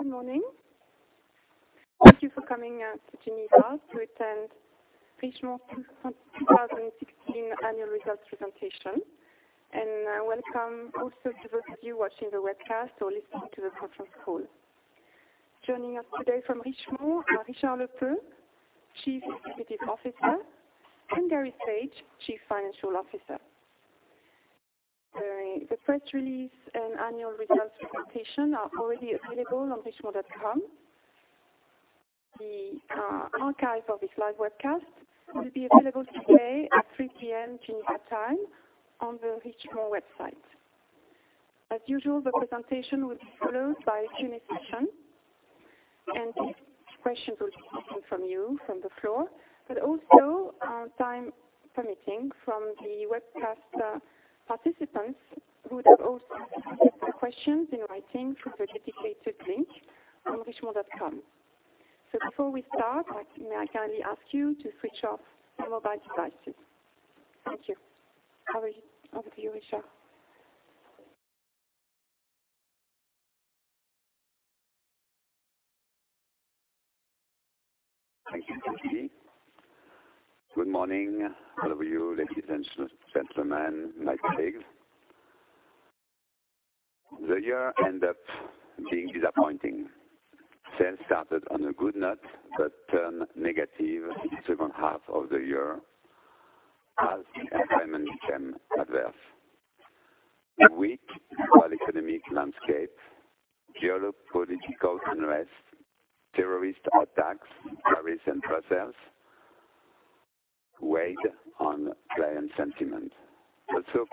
Good morning. Thank you for coming to Geneva to attend Richemont 2016 annual results presentation. Welcome also to those of you watching the webcast or listening to the conference call. Joining us today from Richemont are Richard Lepeu, Chief Executive Officer, and Gary Saage, Chief Financial Officer. The press release and annual results presentation are already available on richemont.com. The archive of this live webcast will be available today at 3:00 P.M. Geneva time on the Richemont website. As usual, the presentation will be followed by a Q&A session. Questions will be taken from you from the floor, but also, time permitting, from the webcast participants who have also submitted their questions in writing through the dedicated link on richemont.com. Before we start, may I kindly ask you to switch off your mobile devices. Thank you. Over to you, Richard. Thank you, Christine. Good morning. Hello, you, ladies and gentlemen, nice to see you. The year ended up being disappointing. Sales started on a good note but turned negative in the second half of the year as the environment became adverse. A weak world economic landscape, geopolitical unrest, terrorist attacks, Paris and Brussels, weighed on client sentiment.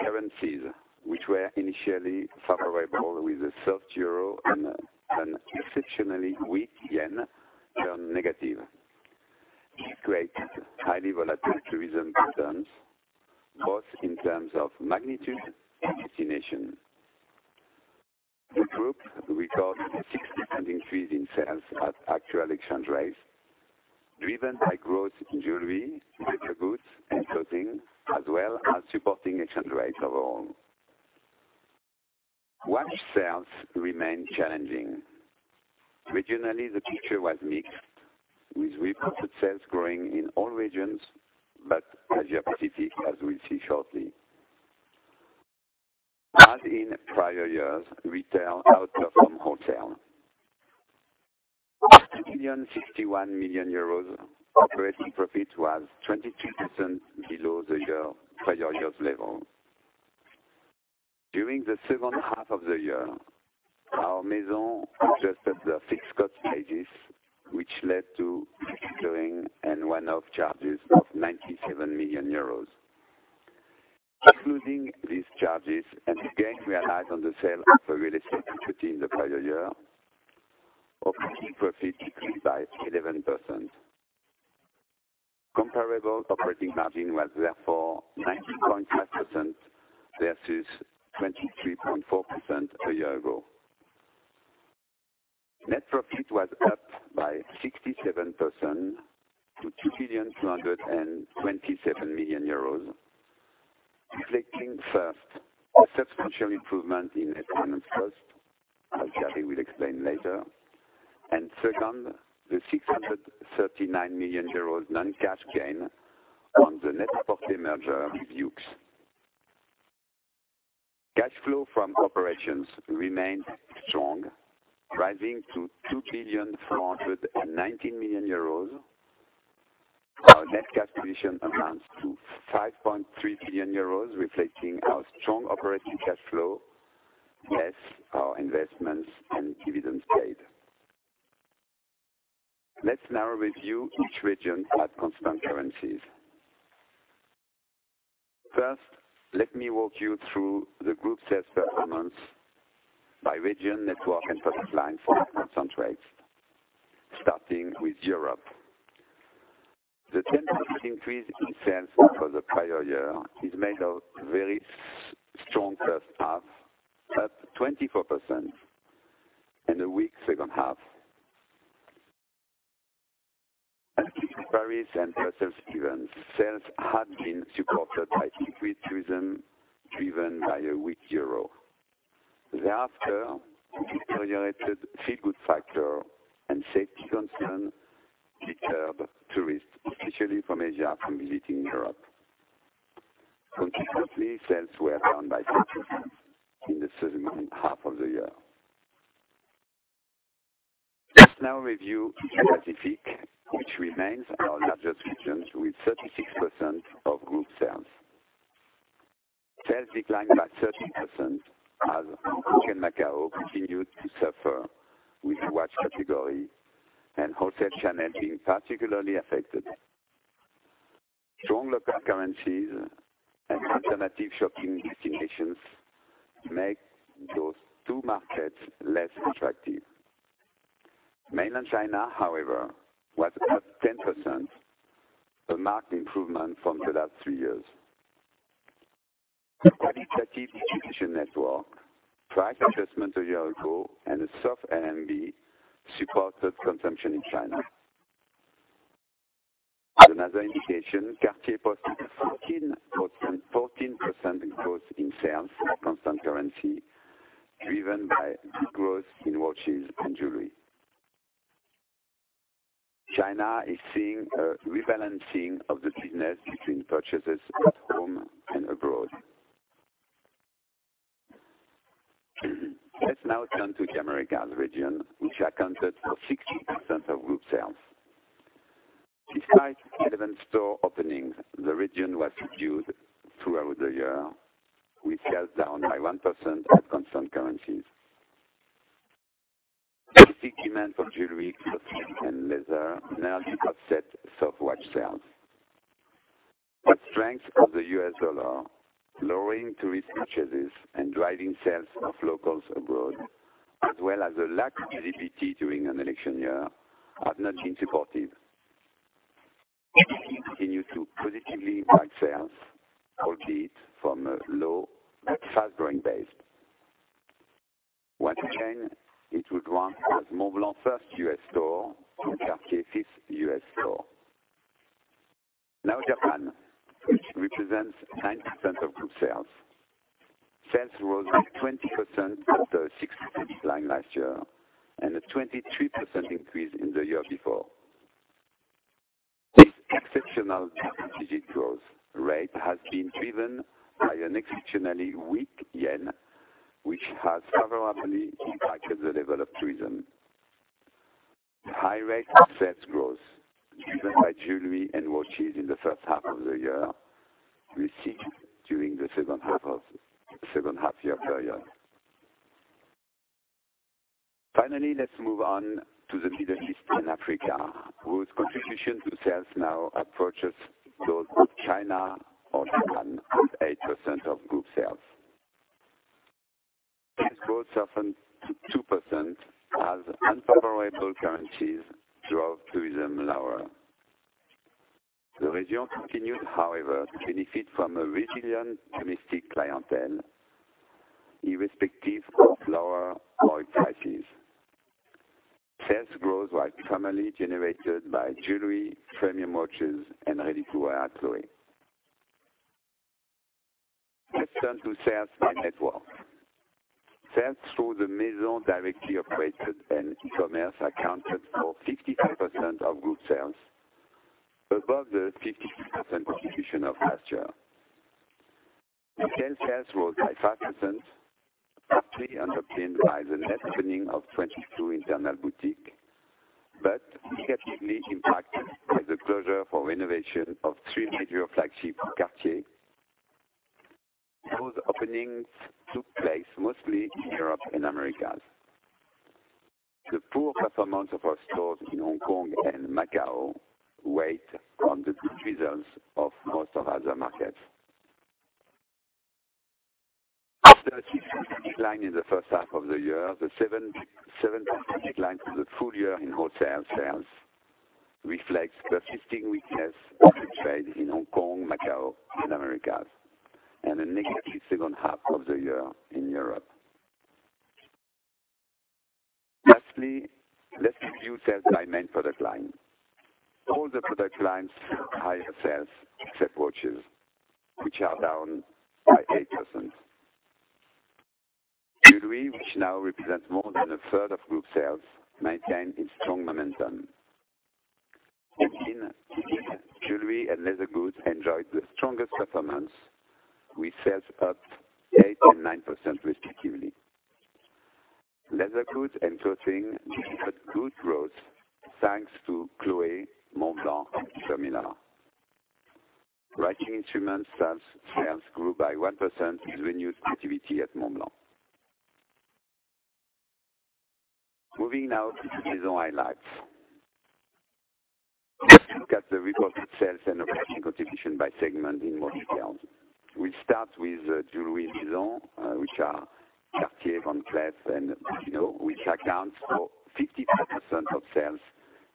Currencies, which were initially favorable with a soft EUR and an exceptionally weak JPY, turned negative. This created highly volatile tourism patterns, both in terms of magnitude and destination. The group recorded a 60% increase in sales at actual exchange rates, driven by growth in jewelry, leather goods, and clothing, as well as supporting exchange rates overall. Watch sales remained challenging. Regionally, the picture was mixed, with reported sales growing in all regions but Asia Pacific, as we'll see shortly. As in prior years, retail outperformed wholesale. At EUR 2,061 million, operating profit was 22% below the prior year's level. During the second half of the year, our Maison adjusted the fixed cost basis, which led to impairing and one-off charges of 97 million euros. Excluding these charges and the gain realized on the sale of a real estate equity in the prior year, operating profit decreased by 11%. Comparable operating margin was therefore 19.5% versus 23.4% a year ago. Net profit was up by 67% to EUR 2,227 million, reflecting first, a substantial improvement in net finance costs, as Gary will explain later. Second, the 639 million euros non-cash gain on the Net-A-Porter merger with Yoox. Cash flow from operations remained strong, rising to 2,419 million euros. Our net cash position amounts to 5.3 billion euros, reflecting our strong operating cash flow, less our investments and dividends paid. Let's now review each region at constant currencies. First, let me walk you through the group sales performance by region, network, and product line at constant rates, starting with Europe. The 10% increase in sales over the prior year is made of a very strong first half, up 24%. A weak second half. After the Paris and Brussels events, sales had been supported by frequent tourism driven by a weak EUR. Thereafter, a deteriorated feel-good factor and safety concern disturbed tourists, especially from Asia, from visiting Europe. Consequently, sales were down by 30% in the second half of the year. Let's now review Asia Pacific, which remains our largest region with 36% of group sales. Sales declined by 13% as Hong Kong and Macau continued to suffer, with the watch category and wholesale channel being particularly affected. Strong local currencies and alternative shopping destinations make those two markets less attractive. Mainland China, however, was up 10%, a marked improvement from the last three years. A qualitative distribution network, price adjustment a year ago, and a soft RMB supported consumption in China. Another indication, Cartier posted a 14% growth in sales at constant currency, driven by good growth in watches and jewelry. China is seeing a rebalancing of the business between purchases at home and abroad. Let's now turn to the Americas region, which accounted for 16% of group sales. Despite 11 store openings, the region was subdued throughout the year, with sales down by 1% at constant currencies. Basic demand for jewelry, clothing, and leather barely offset soft watch sales. The strength of the US dollar, lowering tourist purchases, and driving sales of locals abroad, as well as a lack of visibility during an election year, have not been supportive. continue to positively drive sales, albeit from a low but fast-growing base. Once again, it would run as Montblanc 1st U.S. store to Cartier 5th U.S. store. Japan, which represents 9% of group sales. Sales rose 20% after a 16% decline last year, and a 23% increase in the year before. This exceptional double-digit growth rate has been driven by an exceptionally weak yen, which has favorably impacted the level of tourism. The high rate of sales growth driven by jewelry and watches in the first half of the year receded during the second half-year period. Finally, let's move on to the Middle East and Africa, whose contribution to sales now approaches those of China or Japan, with 8% of group sales. This growth softened to 2% as unfavorable currencies drove tourism lower. The region continued, however, to benefit from a resilient domestic clientele, irrespective of lower oil prices. Sales growth was primarily generated by jewelry, premium watches, and ready-to-wear at Chloé. Let's turn to sales by network. Sales through the Maison directly operated and e-commerce accounted for 55% of group sales, above the 52% contribution of last year. Retail sales rose by 5%, partially underpinned by the net opening of 22 internal boutiques, but negatively impacted by the closure for renovation of three major flagship Cartier. Those openings took place mostly in Europe and Americas. The poor performance of our stores in Hong Kong and Macau weighed on the good results of most of other markets. After a 16% decline in the first half of the year, the 7% decline for the full year in wholesale sales reflects persisting weakness of footfall in Hong Kong, Macau, and Americas, and a negative second half of the year in Europe. Lastly, let's review sales by main product line. All the product lines have higher sales except watches, which are down by 8%. Jewelry, which now represents more than a third of group sales, maintained its strong momentum. Within, jewelry and leather goods enjoyed the strongest performance with sales up 8% and 9%, respectively. Leather goods and clothing delivered good growth, thanks to Chloé, Montblanc, and Peter Millar. Writing instruments sales grew by 1% with renewed activity at Montblanc. Moving now to the Maison highlights. Let's look at the reported sales and operating contribution by segment in more detail. We start with Jewelry Maison, which are Cartier, Van Cleef & Arpels, which accounts for 55% of sales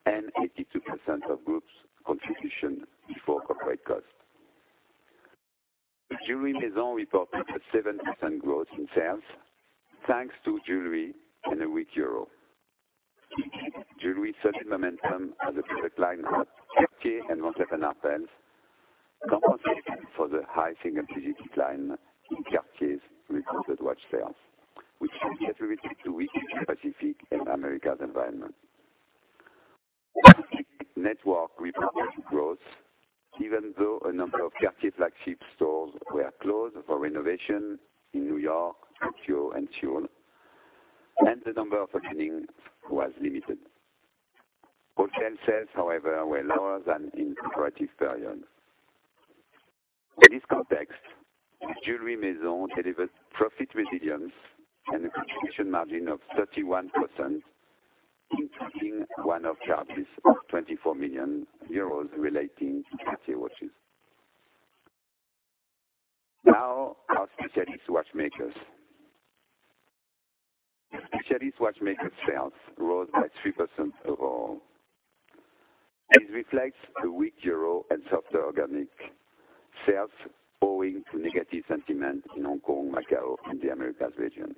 and 82% of group's contribution before corporate costs. The Jewelry Maison reported a 7% growth in sales, thanks to jewelry and a weak EUR. Jewelry solid momentum as a product line helped Cartier and Van Cleef & Arpels compensate for the high single-digit decline in Cartier's reported watch sales, which can be attributed to weak Pacific and Americas environment. Boutique network reported growth even though a number of Cartier flagship stores were closed for renovation in New York, Tokyo, and Seoul, and the number of openings was limited. Wholesale sales, however, were lower than in comparative period. In this context, the Jewelry Maison delivered profit resilience and a contribution margin of 31%, including one-off charges of EUR 24 million relating to Cartier watches. Now, our Specialist Watchmakers. Specialist Watchmaker sales rose by 3% overall. This reflects a weak EUR and softer organic sales owing to negative sentiment in Hong Kong, Macau, and the Americas region.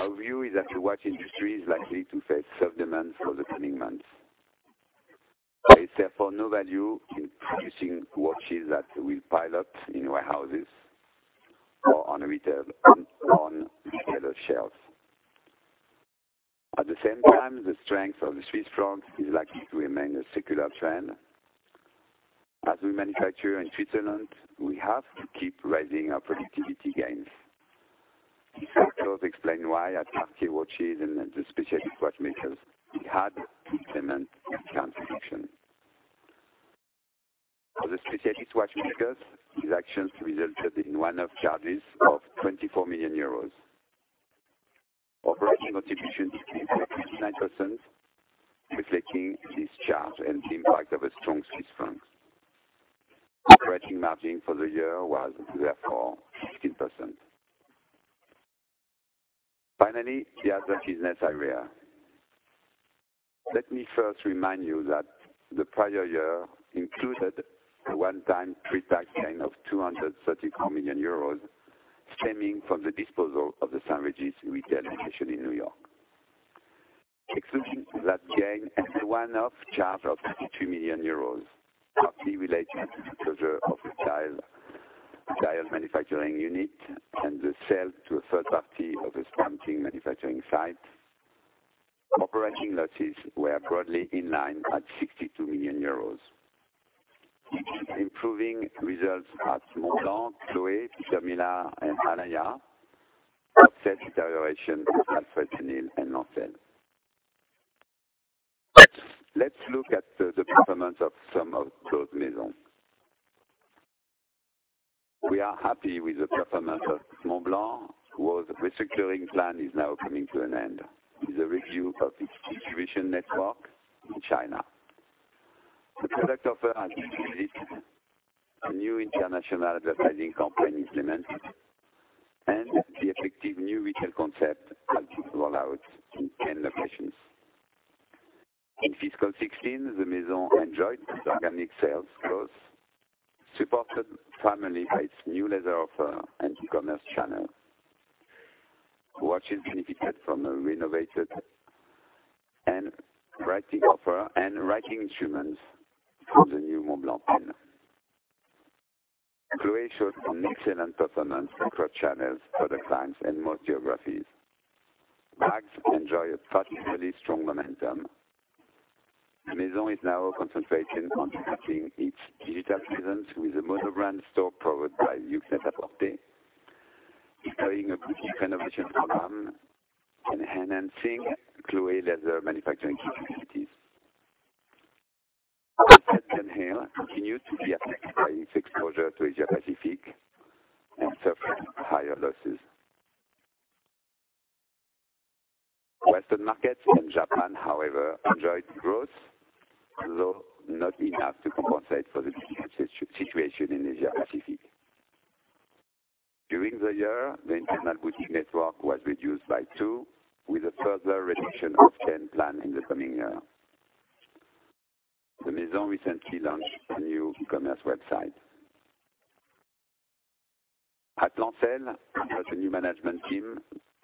Our view is that the watch industry is likely to face tough demands for the coming months. There is therefore no value in producing watches that will pile up in warehouses or on retail and on fellow shelves. At the same time, the strength of the Swiss franc is likely to remain a secular trend. As we manufacture in Switzerland, we have to keep raising our productivity gains. These factors explain why at Parchie Watches and the Specialist Watchmakers, we had to implement a transaction. For the Specialist Watchmakers, these actions resulted in one-off charges of 24 million euros. Operating contribution decreased by 59%, reflecting this charge and the impact of a strong Swiss franc. Operating margin for the year was therefore 16%. Finally, the other business area. Let me first remind you that the prior year included a one-time pretax gain of 234 million euros stemming from the disposal of the St. Regis retail location in New York. Excluding that gain and a one-off charge of 22 million euros, partly related to the closure of the dial manufacturing unit and the sale to a third party of a stamping manufacturing site, operating losses were broadly in line at 62 million euros. Improving results at Montblanc, Chloé, Peter Millar, and Alaïa offset deterioration at Alfred Dunhill and Lancel. Let's look at the performance of some of those Maisons. We are happy with the performance of Montblanc, whose restructuring plan is now coming to an end with a review of its distribution network in China. The product offer has been revised, a new international advertising campaign implemented, and the effective new retail concept has been rolled out in 10 locations. In fiscal 2016, the Maison enjoyed organic sales growth, supported primarily by its new leather offer and e-commerce channel. Watches benefited from a renovated and writing offer and writing instruments from the new Montblanc pen. Chloé showed an excellent performance across channels, product lines, and most geographies. Bags enjoy a particularly strong momentum. The Maison is now concentrated on expanding its digital presence with a mono-brand store powered by Net-a-Porter, deploying a boutique renovation program, and enhancing Chloé leather manufacturing capacities. Alfred Dunhill continued to be affected by its exposure to Asia-Pacific and suffered higher losses. Western markets and Japan, however, enjoyed growth, though not enough to compensate for the difficult situation in Asia-Pacific. During the year, the internal boutique network was reduced by two, with a further reduction of 10 planned in the coming year. The Maison recently launched a new e-commerce website. At Lancel, with the new management team,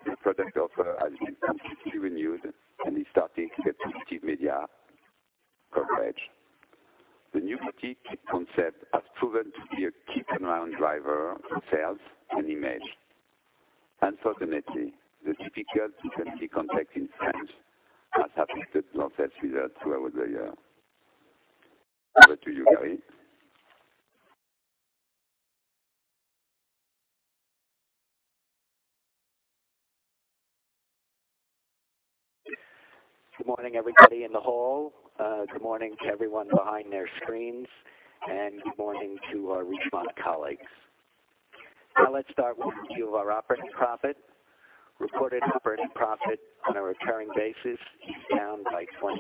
the product offer has been completely renewed and is starting to receive media coverage. The new boutique concept has proven to be a key turnaround driver in sales and image. Unfortunately, the difficult duty context in France has affected Lancel's results throughout the year. Over to you, Gary. Good morning, everybody in the hall. Good morning to everyone behind their screens, good morning to our Richemont colleagues. Let's start with a review of our operating profit. Reported operating profit on a recurring basis is down by 23%.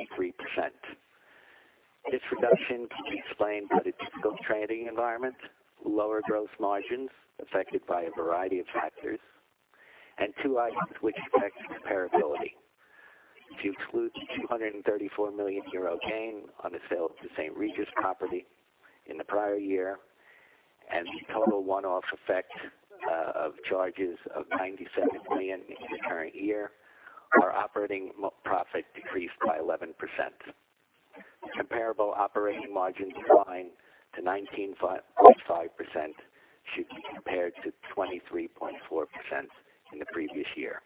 This reduction can be explained by the difficult trading environment, lower gross margins affected by a variety of factors, and two items which affect comparability. If you exclude the 234 million euro gain on the sale of the St. Regis property in the prior year, and the total one-off effect of charges of 97 million in the current year, our operating profit decreased by 11%. Comparable operating margin decline to 19.5%, should be compared to 23.4% in the previous year.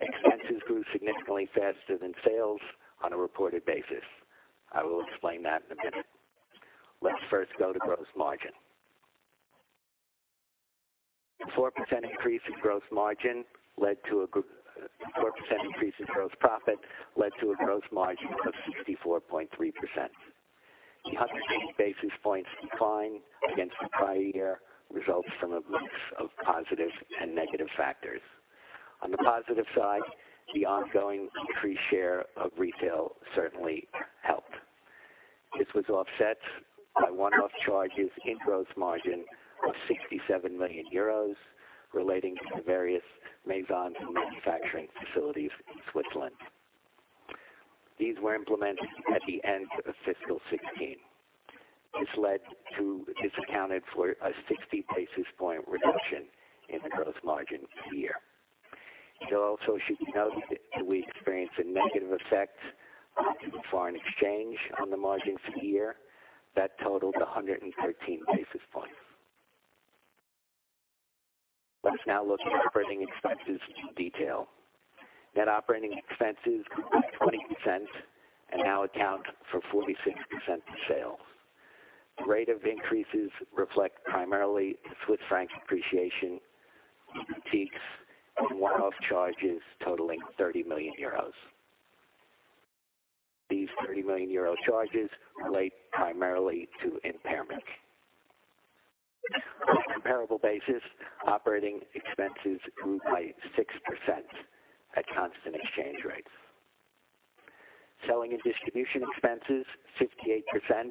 Expenses grew significantly faster than sales on a reported basis. I will explain that in a minute. Let's first go to gross margin. A 4% increase in gross profit led to a gross margin of 64.3%. The 108 basis points decline against the prior year results from a mix of positive and negative factors. On the positive side, the ongoing increased share of retail certainly helped. This was offset by one-off charges in gross margin of 67 million euros relating to the various Maison and manufacturing facilities. These were implemented at the end of fiscal 2016. This accounted for a 60 basis point reduction in gross margin for the year. It also should be noted that we experienced a negative effect of foreign exchange on the margin for the year that totaled 113 basis points. Let's now look at operating expenses in detail. Net operating expenses grew by 20% and now account for 46% of sales. Rate of increases reflect primarily the Swiss franc appreciation, boutiques, and one-off charges totaling 30 million euros. These 30 million euro charges relate primarily to impairment. On a comparable basis, operating expenses grew by 6% at constant exchange rates. Selling and Distribution expenses, 58%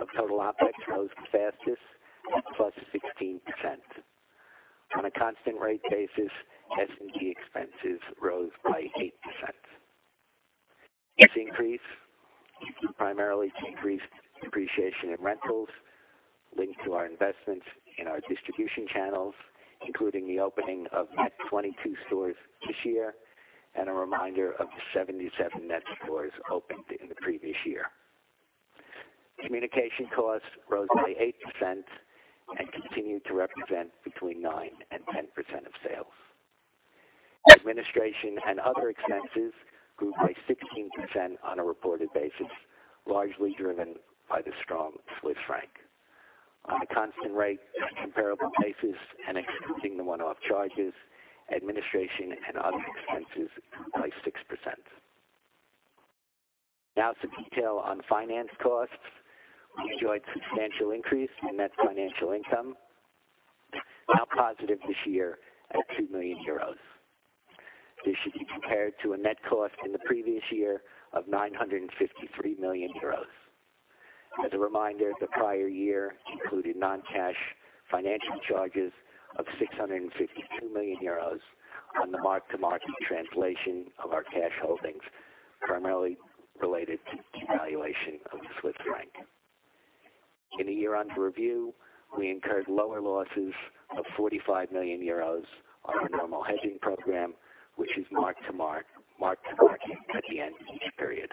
of total OpEx, rose the fastest, plus 16%. On a constant rate basis, S&D expenses rose by 8%. This increase is primarily to increased depreciation in rentals linked to our investments in our distribution channels, including the opening of net 22 stores this year, and a reminder of the 77 net stores opened in the previous year. Communication costs rose by 8% and continue to represent between 9% and 10% of sales. Administration and other expenses grew by 16% on a reported basis, largely driven by the strong Swiss franc. On a constant rate and comparable basis, and excluding the one-off charges, administration and other expenses grew by 6%. Some detail on finance costs. We enjoyed substantial increase in net financial income, now positive this year at 2 million euros. This should be compared to a net cost in the previous year of 953 million euros. As a reminder, the prior year included non-cash financial charges of 652 million euros on the mark-to-market translation of our cash holdings, primarily related to the valuation of the Swiss franc. In the year under review, we incurred lower losses of 45 million euros on our normal hedging program, which is marked to market at the end of each period.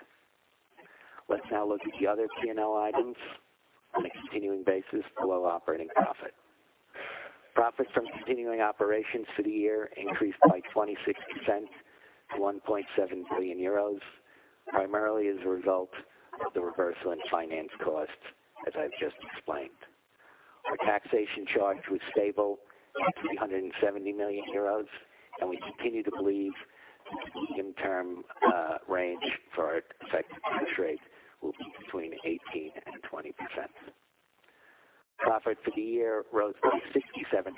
Let's now look at the other P&L items on a continuing basis below operating profit. Profit from continuing operations for the year increased by 26% to 1.7 billion euros, primarily as a result of the reversal in finance costs, as I've just explained. Our taxation charge was stable at 370 million euros. We continue to believe that the medium-term range for our effective tax rate will be between 18%-20%. Profit for the year rose by 67%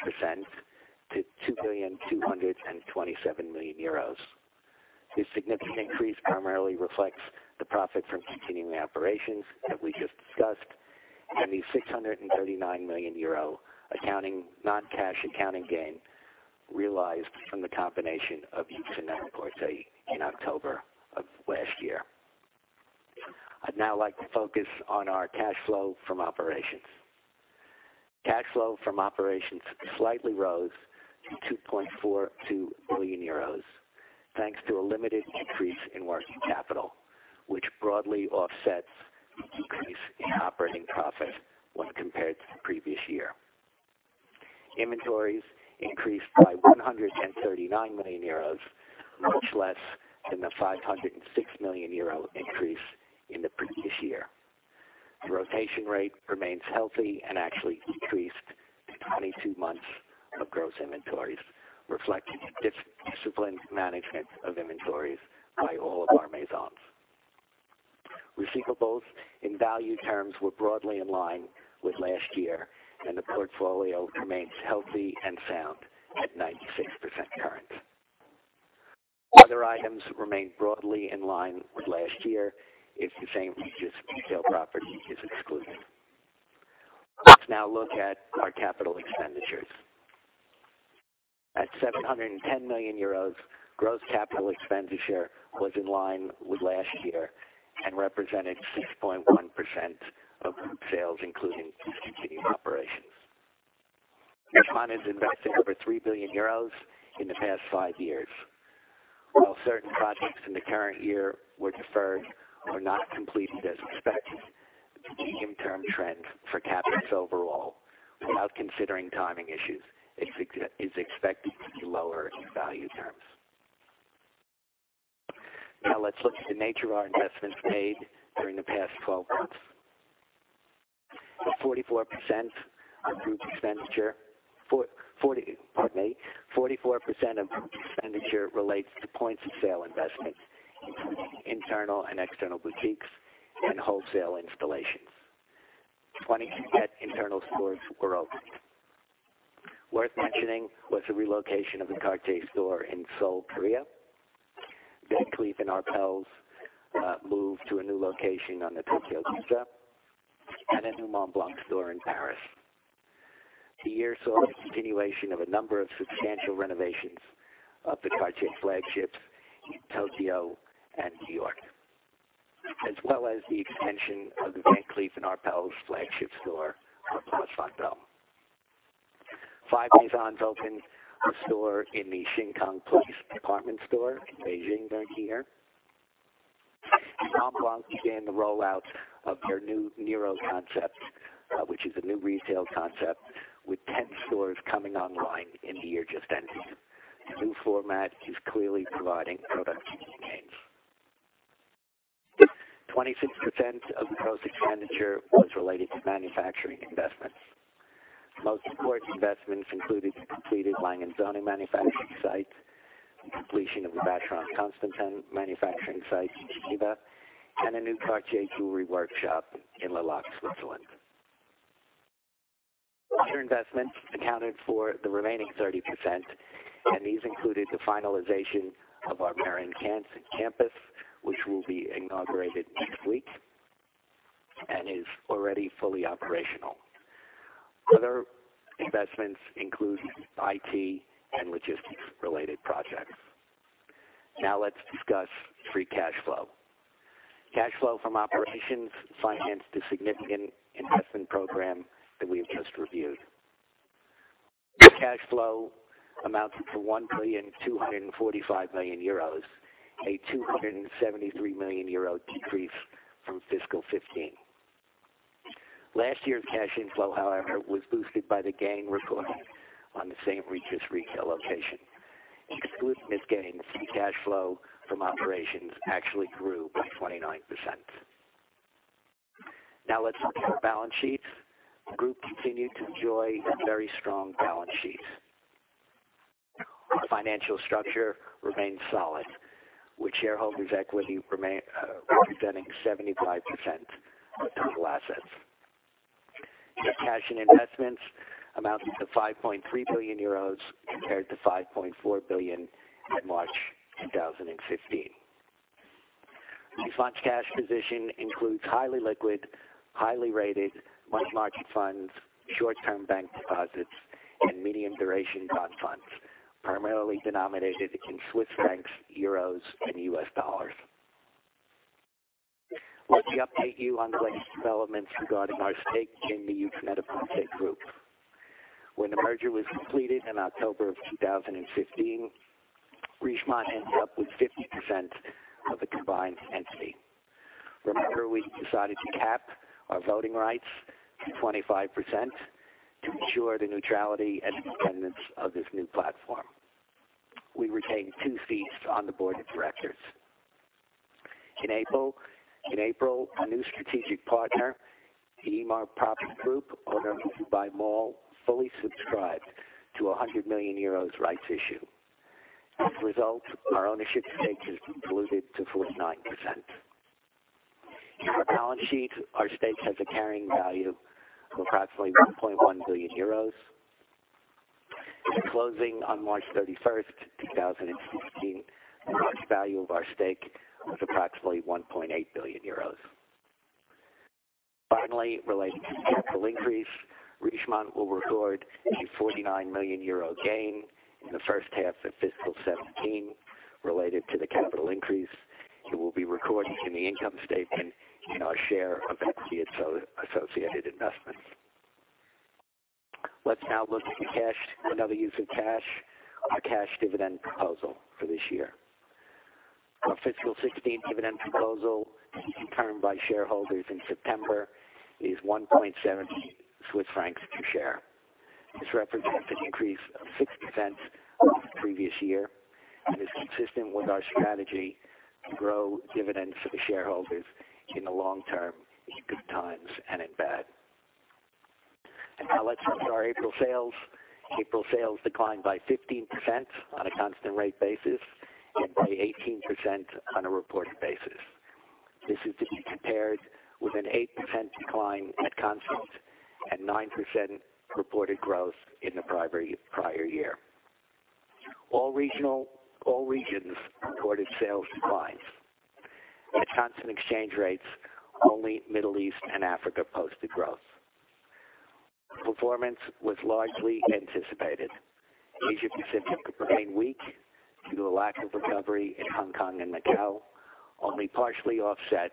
to 2,227 million euros. This significant increase primarily reflects the profit from continuing operations that we just discussed and the 639 million euro non-cash accounting gain realized from the combination of Yoox and Net-A-Porter in October of last year. I'd now like to focus on our cash flow from operations. Cash flow from operations slightly rose to 2.42 billion euros, thanks to a limited increase in working capital, which broadly offsets the increase in operating profit when compared to the previous year. Inventories increased by 139 million euros, much less than the 506 million euro increase in the previous year. The rotation rate remains healthy and actually decreased to 22 months of gross inventories, reflecting disciplined management of inventories by all of our Maisons. Receivables in value terms were broadly in line with last year. The portfolio remains healthy and sound at 96% current. Other items remained broadly in line with last year if the St. Regis retail property is excluded. Let's now look at our capital expenditures. At 710 million euros, gross capital expenditure was in line with last year and represented 6.1% of group sales, including discontinued operations. Richemont has invested over 3 billion euros in the past five years. While certain projects in the current year were deferred or not completed as expected, the medium-term trend for CapEx overall, without considering timing issues, is expected to be lower in value terms. Let's look at the nature of our investments made during the past 12 months. 44% of group expenditure relates to points of sale investments, including internal and external boutiques and wholesale installations. 22 net internal stores were opened. Worth mentioning was the relocation of the Cartier store in Seoul, Korea. Van Cleef & Arpels moved to a new location on the Tokyo Ginza, a new Montblanc store in Paris. The year saw the continuation of a number of substantial renovations of the Cartier flagships in Tokyo and New York, as well as the extension of the Van Cleef & Arpels flagship store on Place Vendôme. Five Maisons opened a store in the Shin Kong Place department store in Beijing during the year. Montblanc began the rollout of their new Neo concept, which is a new retail concept with 10 stores coming online in the year just ended. The new format is clearly providing productivity gains. 26% of the project expenditure was related to manufacturing investments. Most important investments included the completed A. Lange & Söhne manufacturing site, the completion of the Vacheron Constantin manufacturing site in Geneva, and a new Cartier jewelry workshop in Le Locle, Switzerland. Other investments accounted for the remaining 30%, and these included the finalization of our Meyrin campus, which will be inaugurated next week and is already fully operational. Other investments include IT and logistics-related projects. Now let's discuss free cash flow. Cash flow from operations financed the significant investment program that we have just reviewed. Free cash flow amounted to 1,245,000,000 euros, a 273 million euro decrease from fiscal 2015. Last year's cash inflow, however, was boosted by the gain recorded on the St. Regis retail location. Excluding this gain, free cash flow from operations actually grew by 29%. Now let's look at our balance sheets. The group continued to enjoy a very strong balance sheet. Our financial structure remains solid, with shareholders' equity representing 75% of total assets. Net cash and investments amounted to 5.3 billion euros compared to 5.4 billion in March 2015. Richemont's cash position includes highly liquid, highly rated money market funds, short-term bank deposits, and medium-duration bond funds, primarily denominated in Swiss francs, euros, and US dollars. Let me update you on the latest developments regarding our stake in the Yoox Net-A-Porter Group. When the merger was completed in October 2015, Richemont ended up with 50% of the combined entity. Remember, we decided to cap our voting rights to 25% to ensure the neutrality and independence of this new platform. We retain two seats on the board of directors. In April, a new strategic partner, the Emaar Property Group, owner of The Dubai Mall, fully subscribed to a 100 million euros rights issue. As a result, our ownership stake is diluted to 49%. On the balance sheet, our stake has a carrying value of approximately 1.1 billion euros. At closing on March 31st, 2016, the book value of our stake was approximately 1.8 billion euros. Finally, related to the capital increase, Richemont will record a 49 million euro gain in the first half of fiscal 2017 related to the capital increase. It will be recorded in the income statement in our share of the associated investment. Let's now look at another use of cash, our cash dividend proposal for this year. Our fiscal 2016 dividend proposal to be determined by shareholders in September is 1.70 Swiss francs per share. This represents an increase of 0.06 over the previous year and is consistent with our strategy to grow dividends for the shareholders in the long term, in good times and in bad. Let's look at our April sales. April sales declined by 15% on a constant rate basis and by 18% on a reported basis. This is to be compared with an 8% decline at constant and 9% reported growth in the prior year. All regions reported sales declines. At constant exchange rates, only Middle East and Africa posted growth. The performance was largely anticipated. Asia-Pacific remained weak due to a lack of recovery in Hong Kong and Macau, only partially offset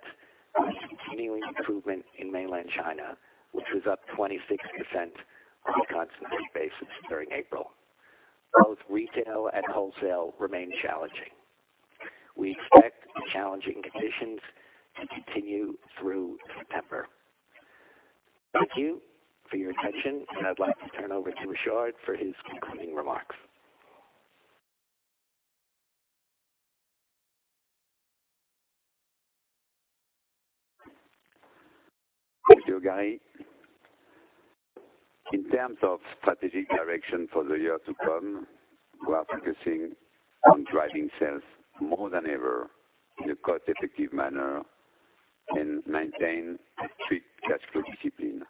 by a continuing improvement in mainland China, which was up 26% on a constant rate basis during April. Both retail and wholesale remain challenging. We expect the challenging conditions to continue through September. Thank you for your attention, and I'd like to turn over to Richard for his concluding remarks. Thank you, Gary. In terms of strategic direction for the year to come, we are focusing on driving sales more than ever in a cost-effective manner and maintain strict cash flow discipline.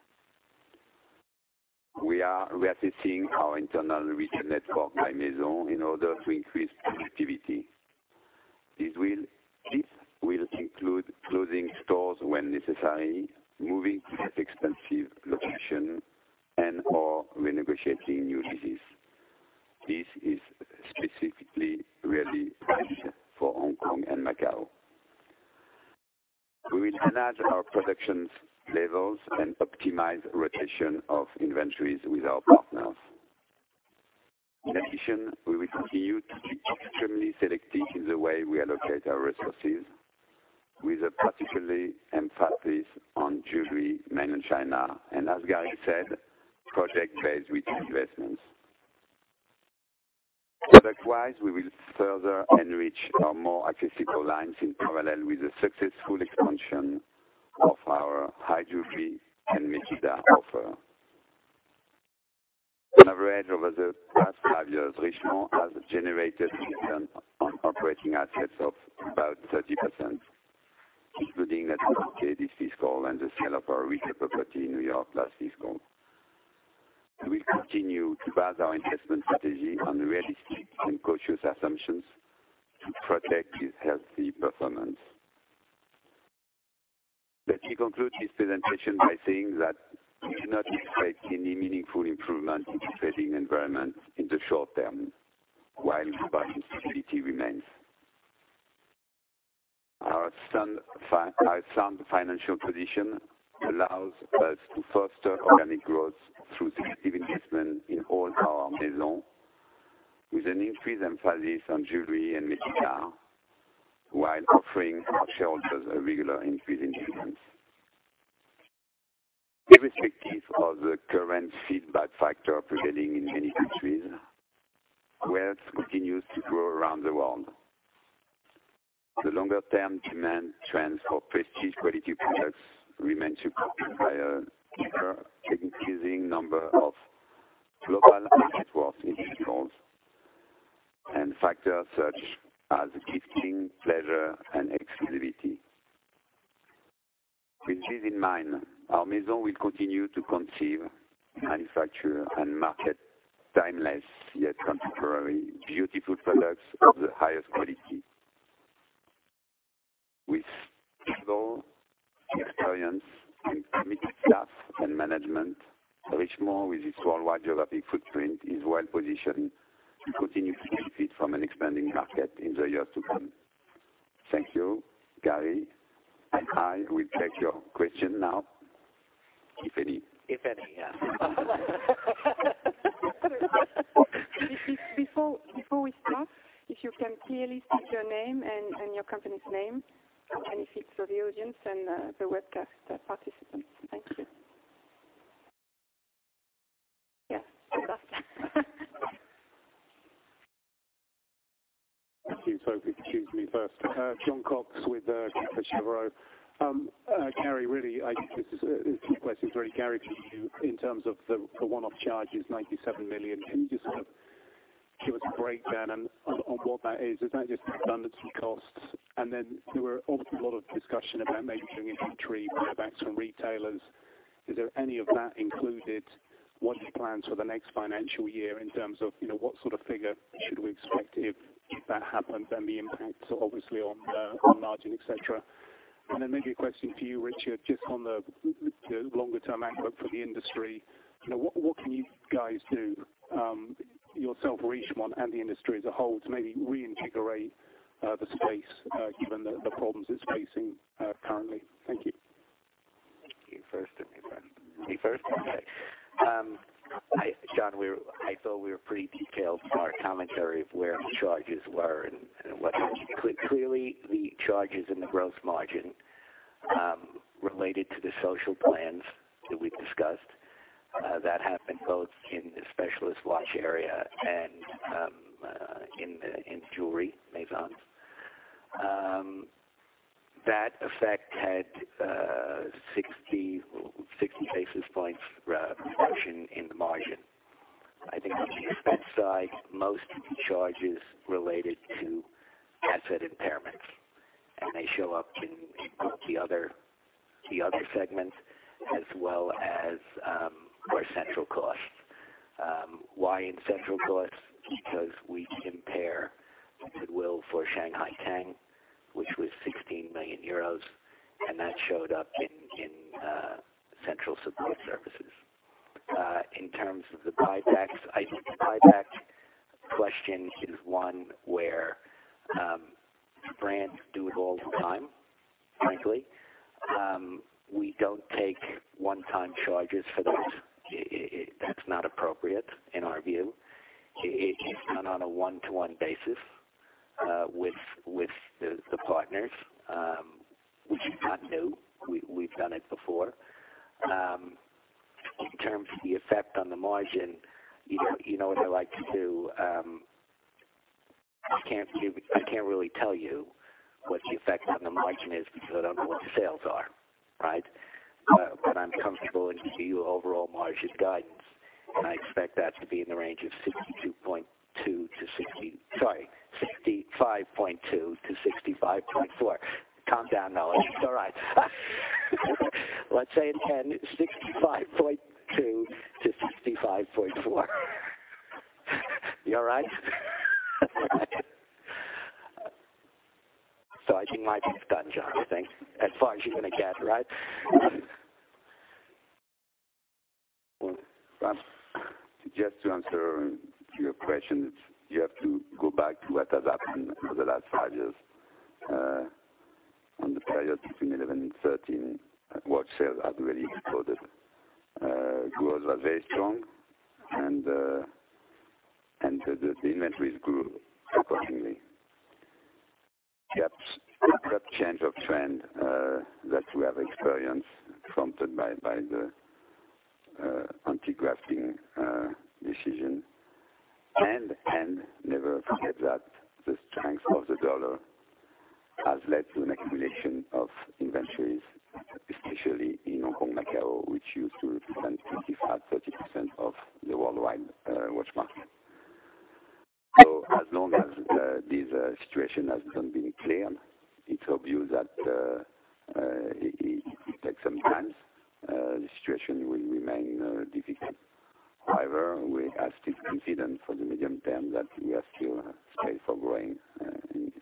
We are reassessing our internal retail network by Maison in order to increase productivity. This will include closing stores when necessary, moving to less expensive locations, and/or renegotiating new leases. This is specifically really meant for Hong Kong and Macau. We will manage our production levels and optimize rotation of inventories with our partners. In addition, we will continue to be extremely selective in the way we allocate our resources, with a particular emphasis on jewelry, Mainland China, and as Gary said, project-based retail investments. Product-wise, we will further enrich our more accessible lines in parallel with the successful expansion of our high jewelry and Métiers d'Art offer. On average, over the past five years, Richemont has generated return on operating assets of about 30%, including the 2020 fiscal and the sale of our St. Regis Property in New York last fiscal. We will continue to base our investment strategy on realistic and cautious assumptions to protect this healthy performance. Let me conclude this presentation by saying that we do not expect any meaningful improvement in the trading environment in the short term, while global instability remains. Our sound financial position allows us to foster organic growth through selective investment in all our Maisons, with an increased emphasis on jewelry and Métiers d'Art, while offering our shareholders a regular increase in dividends. Irrespective of the current feedback factor prevailing in many countries, wealth continues to grow around the world. The longer-term demand trends for prestige quality products remain supported by an ever-increasing number of global high-net-worth individuals, and factors such as gifting, pleasure, and exclusivity. With this in mind, our Maison will continue to conceive, manufacture, and market timeless, yet contemporary, beautiful products of the highest quality. With stable experience and committed staff and management, Richemont, with its worldwide geographic footprint, is well-positioned to continue to benefit from an expanding market in the years to come. Thank you. Gary and I will take your question now, if any. If any, yeah. Before we start, if you can clearly state your name and your company's name, it benefits for the audience and the webcast participants. Thank you. Yeah, over. Thank you. I was hoping you'd choose me first. Jon Cox with Credit Suisse. This question is really, Gary, for you, in terms of the one-off charges, 97 million. Can you just sort of give us a breakdown on what that is? Is that just redundant costs? There were obviously a lot of discussion about maybe doing inventory buybacks from retailers. Is there any of that included? What are your plans for the next financial year in terms of what sort of figure should we expect if that happened? The impact, obviously, on margin, et cetera. Maybe a question for you, Richard, just on the longer-term outlook for the industry. What can you guys do, yourself or Richemont and the industry as a whole, to maybe reinvigorate the space given the problems it's facing currently? Thank you. You first, me second. Me first? Okay. Jon, I thought we were pretty detailed in our commentary of where the charges were. Clearly, the charges in the gross margin related to the social plans that we've discussed. That happened both in the specialist watch area and in the Jewelry Maisons. That effect had 60 basis points reduction in the margin. I think on the expense side, most of the charges related to asset impairments. They show up in both the other segments as well as our central costs. Why in central costs? Because we impair goodwill for Shanghai Tang, which was 16 million euros. That showed up in central support services. In terms of the buybacks, I think the buyback question is one where brands do it all the time, frankly. We don't take one-time charges for those. That's not appropriate in our view. It is done on a one-to-one basis with the partners, which is not new. We've done it before. In terms of the effect on the margin, you know what I like to do. I can't really tell you what the effect on the margin is because I don't know what the sales are, right? I'm comfortable in giving you overall margins guidance, and I expect that to be in the range of 65.2%-65.4%. Calm down, Mélanie. It's all right. Let's say it again, 65.2%-65.4%. You all right? I think Mike is done, John. I think as far as she's going to get, right? Well, just to answer your question, you have to go back to what has happened over the last five years. On the period between 2011 and 2013, watch sales had really exploded. Growth was very strong, and the inventories grew accordingly. That change of trend that we have experienced, prompted by the gift restrictions decision. Never forget that the strength of the U.S. dollar has led to an accumulation of inventories, especially in Hong Kong, Macau, which used to represent 25%, 30% of the worldwide watch market. As long as this situation hasn't been cleared, it's obvious that it takes some time. The situation will remain difficult. However, we are still confident for the medium term that we are still space for growing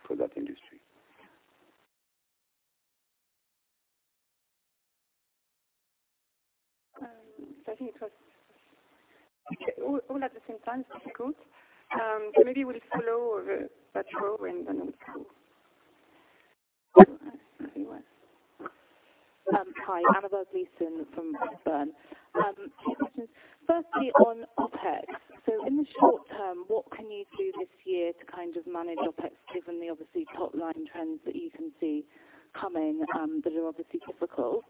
for that industry. I think it was all at the same time. It's difficult. Maybe we'll follow that row and we go. Hi, Annabel Gleeson from Redburn. Two questions. Firstly, on OpEx. In the short term, what can you do this year to manage OpEx given the obviously top-line trends that you can see coming, that are obviously difficult?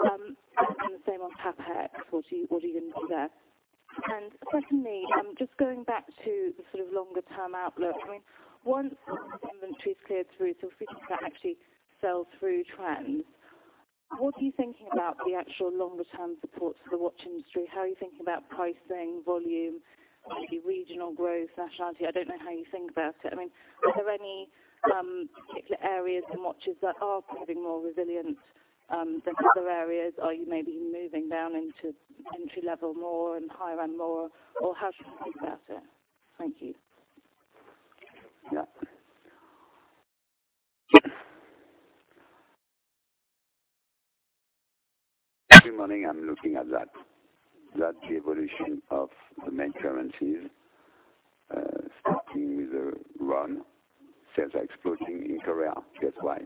The same on CapEx. What are you going to do there? Secondly, just going back to the sort of longer-term outlook. Once inventories cleared through, so if we can actually sell through trends, what are you thinking about the actual longer-term support for the watch industry? How are you thinking about pricing, volume, maybe regional growth, nationality? I don't know how you think about it. Are there any particular areas in watches that are proving more resilient than other areas? Are you maybe moving down into entry-level more and higher-end more, or how should we think about it? Thank you. Every morning, I'm looking at that. That's the evolution of the main currencies. Starting with the Won, sales are exploding in Korea. Guess why?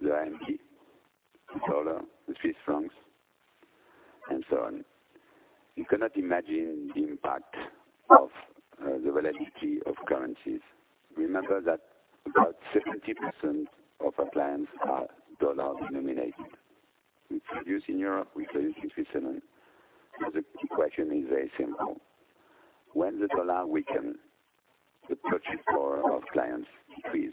The yen, the dollar, the Swiss francs, and so on. You cannot imagine the impact of the volatility of currencies. Remember that about 70% of our clients are dollar-denominated. We produce in Europe, we produce in Switzerland. The question is very simple. When the dollar weakens, the purchasing power of clients decrease.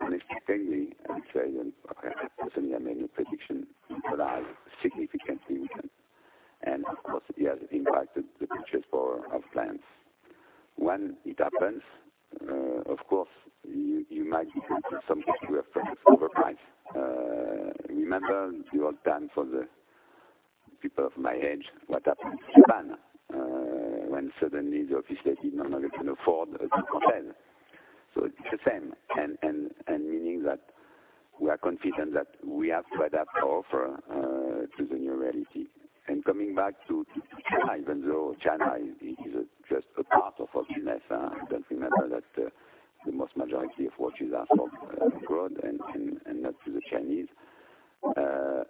Honestly, lately, I would say, and personally, I'm making a prediction, the dollar has significantly weakened, and of course, it has impacted the purchasing power of clients. When it happens, of course, you might be tempted, some people have tended to overprice. Remember the old time for the people of my age, what happened in Japan, when suddenly the office said they no longer can afford a [inaudible] It's the same, and meaning that we are confident that we have to adapt our offer to the new reality. Coming back to China, even though China is just a part of our business, just remember that the most majority of watches are sold abroad and not to the Chinese. The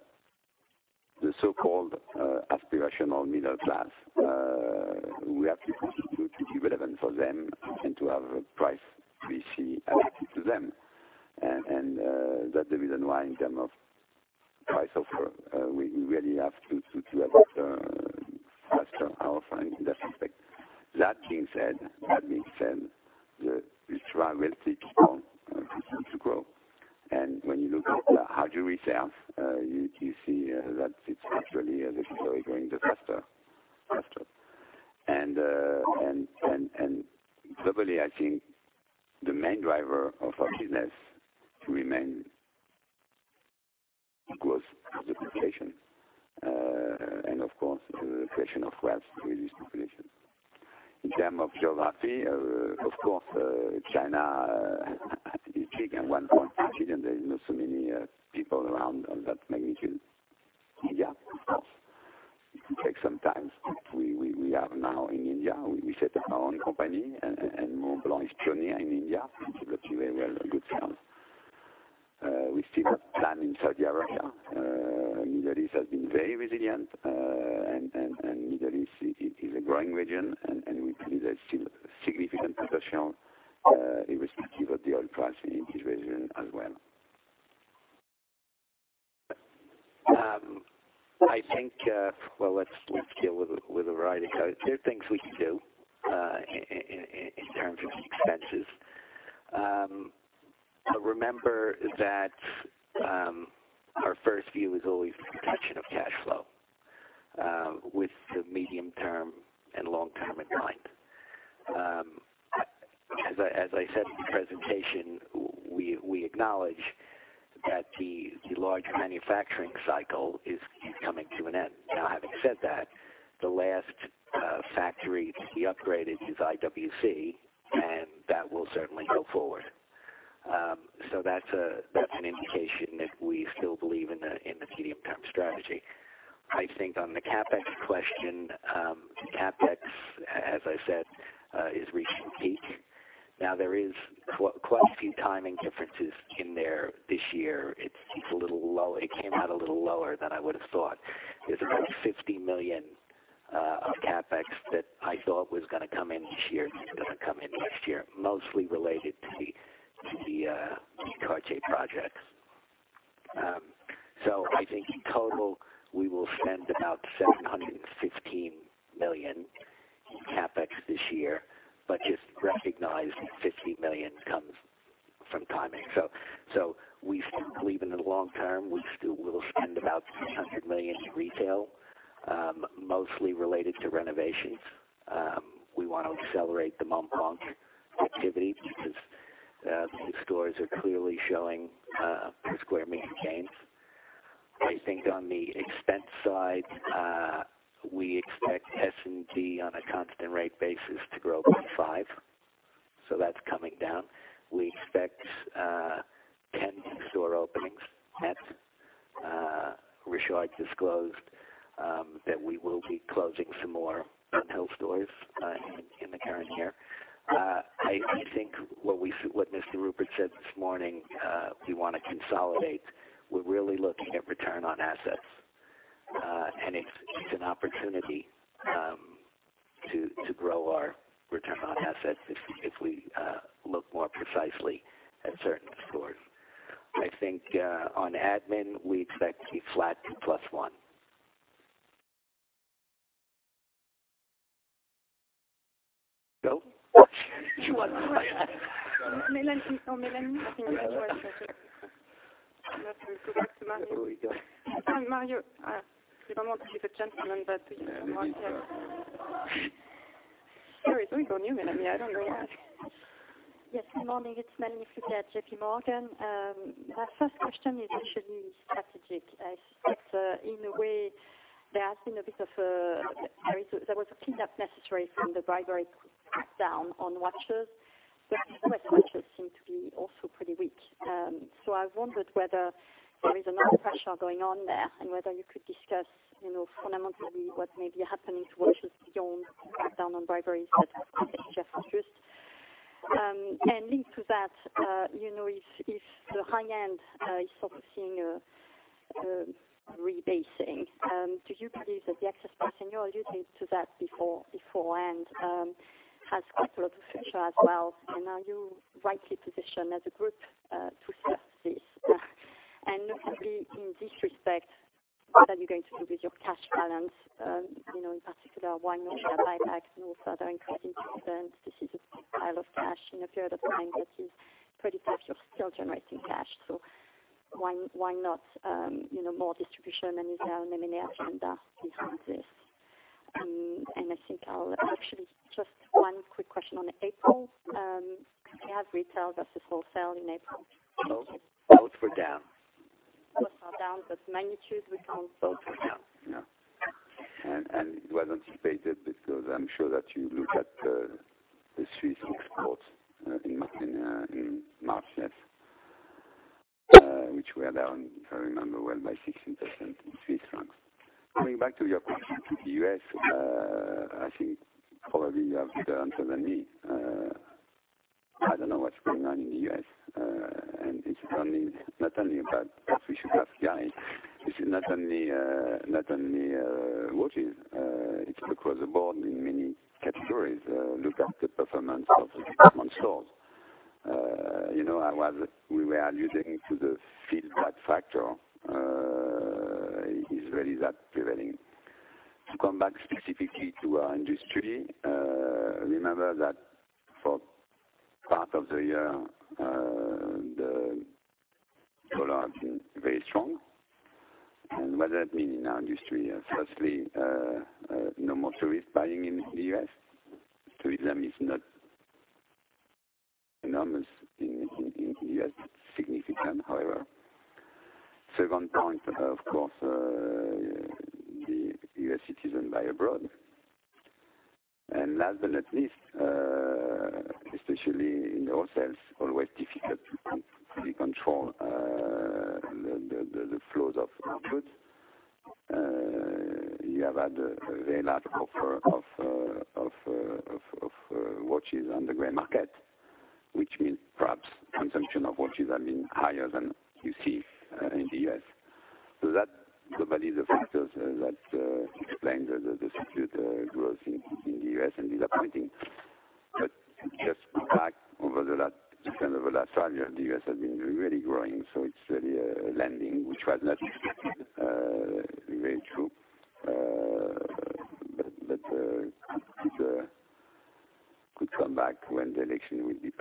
so-called aspirational middle class, we have to continue to be relevant for them and to have a price we see adapted to them. That's the reason why, in term of price offer, we really have to adapt faster our offer in that respect. That being said, the watch will still keep on to grow. When you look at the hard jewelry sales, you see that it's actually as if it's growing faster. Globally, I think the main driver of our business remains growth of the population. Of course, the creation of wealth with this population. In term of geography, of course, China is big and 1.6 billion. There is not so many people around of that magnitude. India, of course. It will take some time, but we are now in India. We set up our own company, and Montblanc is pioneer in India. We got a good start. We still have plan in Saudi Arabia. Middle East has been very resilient. Middle East is a growing region, and we believe there's still significant potential, irrespective of the oil price in this region as well. Well, let's deal with a variety. There are things we can do in terms of expenses. Remember that our first view is always the protection of cash flow, with the medium term and long term in mind. As I said in the presentation, we acknowledge that the large manufacturing cycle is coming to an end. Having said that, the last factory to be upgraded is IWC, and that will certainly go forward. That's an indication that we still believe in the medium-term strategy. On the CapEx question, CapEx, as I said, is reaching peak. There is quite a few timing differences in there this year. It came out a little lower than I would have thought. There's about 50 million of CapEx that I thought was going to come in this year, is going to come in next year, mostly related to the Cartier projects. I think in total, we will spend about 715 million in CapEx this year, but just recognize that 50 million comes from timing. We still believe in the long term. We still will spend about 200 million in retail, mostly related to renovations. We want to accelerate the Montblanc activity because the stores are clearly showing per square meter gains. I think on the expense side, we expect S&D on a constant rate basis to grow +5%. That's coming down. We expect 10 store openings net. Richard disclosed that we will be closing some more Dunhill stores in the current year. I think what Mr. Rupert said this morning, we want to consolidate. We're really looking at return on assets. It's an opportunity to grow our return on assets if we look more precisely at certain stores. I think on admin, we expect to be flat to +1%. No? Mélanie. No, Mélanie, I think Richard answered. Let me go back to Mario. Here we go. Mario, we don't want to be the gentleman, but you know the ranking. Sorry. It's only for you, Mélanie. I don't know. Yes. Good morning. It's Mélanie Flouquet at J.P. Morgan. My first question is actually strategic. I suspect in a way there was a clean up necessary from the bribery crackdown on watches, but Swiss watches seem to be also pretty weak. I wondered whether there is another pressure going on there, and whether you could discuss fundamentally what may be happening to watches beyond the crackdown on bribery, such as the gift restrictions. Linked to that, if the high end is sort of seeing a rebasing, do you believe that the excess personal, you did say that beforehand, has got a lot of future as well? Are you rightly positioned as a group to surf this? Looking in this respect, what are you going to do with your cash balance? In particular, why no share buybacks, no further increasing dividends? This is a pile of cash in a period of time that is pretty tough. You're still generating cash, why not more distribution? Is there an M&A agenda behind this? I think I'll actually, just one quick question on April. You have retail versus wholesale in April. Both were down. Both are down. The magnitude we can't tell. Both were down. Yeah. It was anticipated because I'm sure that you looked at the Swiss exports in March, which were down, if I remember well, by 16% in CHF. Coming back to your question to the U.S., I think probably you have the answer than me. I don't know what's going on in the U.S. It is not only about us, we should ask guide. This is not only watches, it's across the board in many categories. Look at the performance of the Richemont stores. We were alluding to the feedback factor. It is really that prevailing. To come back specifically to our industry, remember that for part of the year, the dollar has been very strong. What that means in our industry is firstly, no more tourists buying in the U.S. Tourism is not enormous in the U.S. Significant, however. Second point, of course, the U.S. citizen buy abroad. Last but not least, especially in wholesale, always difficult to control the flows of goods. You have had a very large offer of watches on the gray market, which means perhaps consumption of watches have been higher than you see in the U.S. Those are the factors that explain the subdued growth in the U.S. and disappointing. Just back over the last five years, the U.S. has been really growing, it's really a lending, which was not expected. Very true. It could come back when the election will be passed.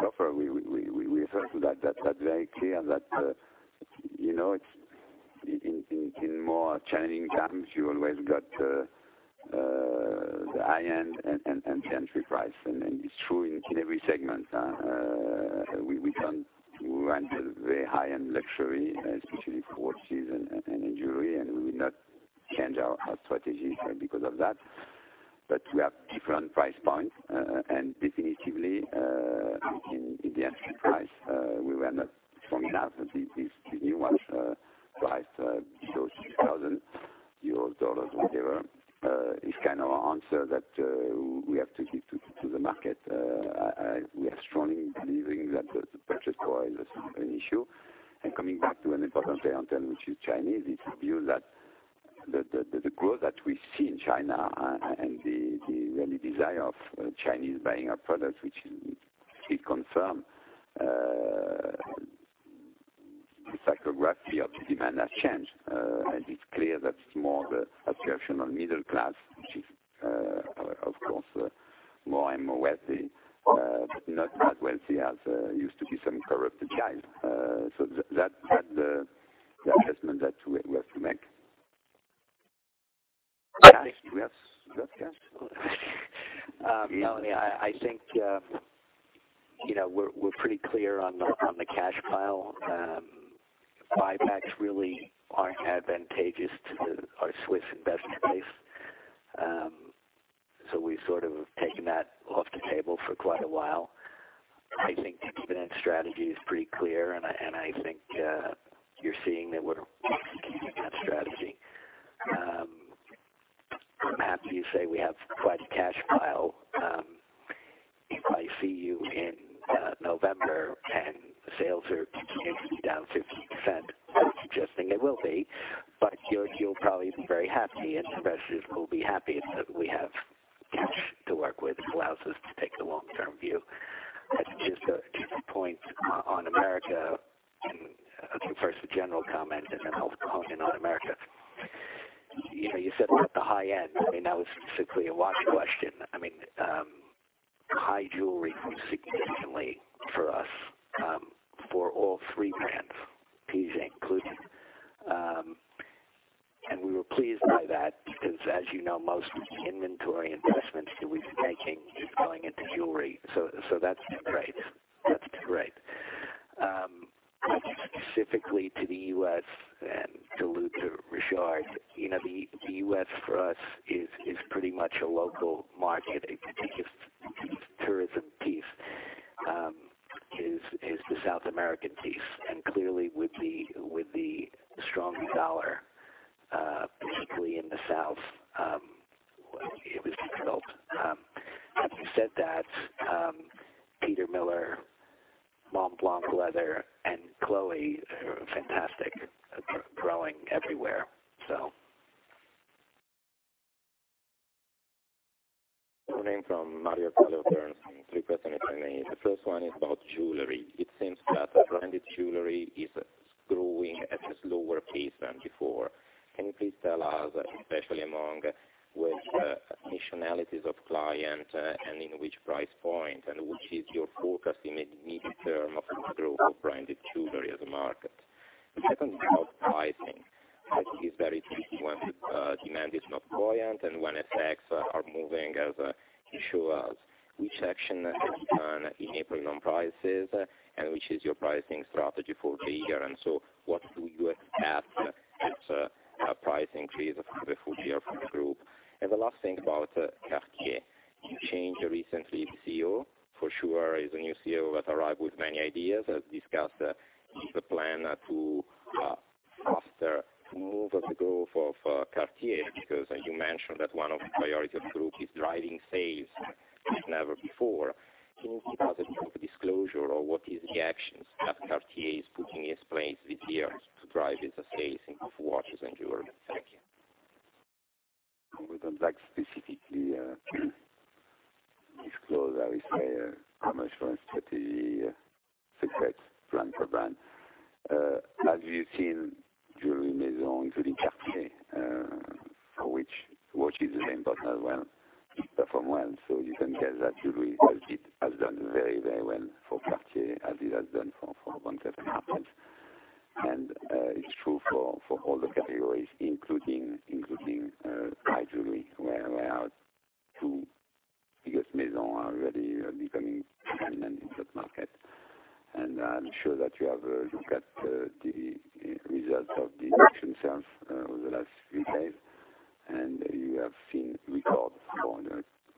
In terms of further cover, we refer to that. That's very clear that in more challenging times, you always got the high-end and the entry price, and it's true in every segment. We can run the very high-end luxury, especially for watches and jewelry. We will not change our strategy because of that. We have different price points, and definitively, in the entry price, we were not strong enough. This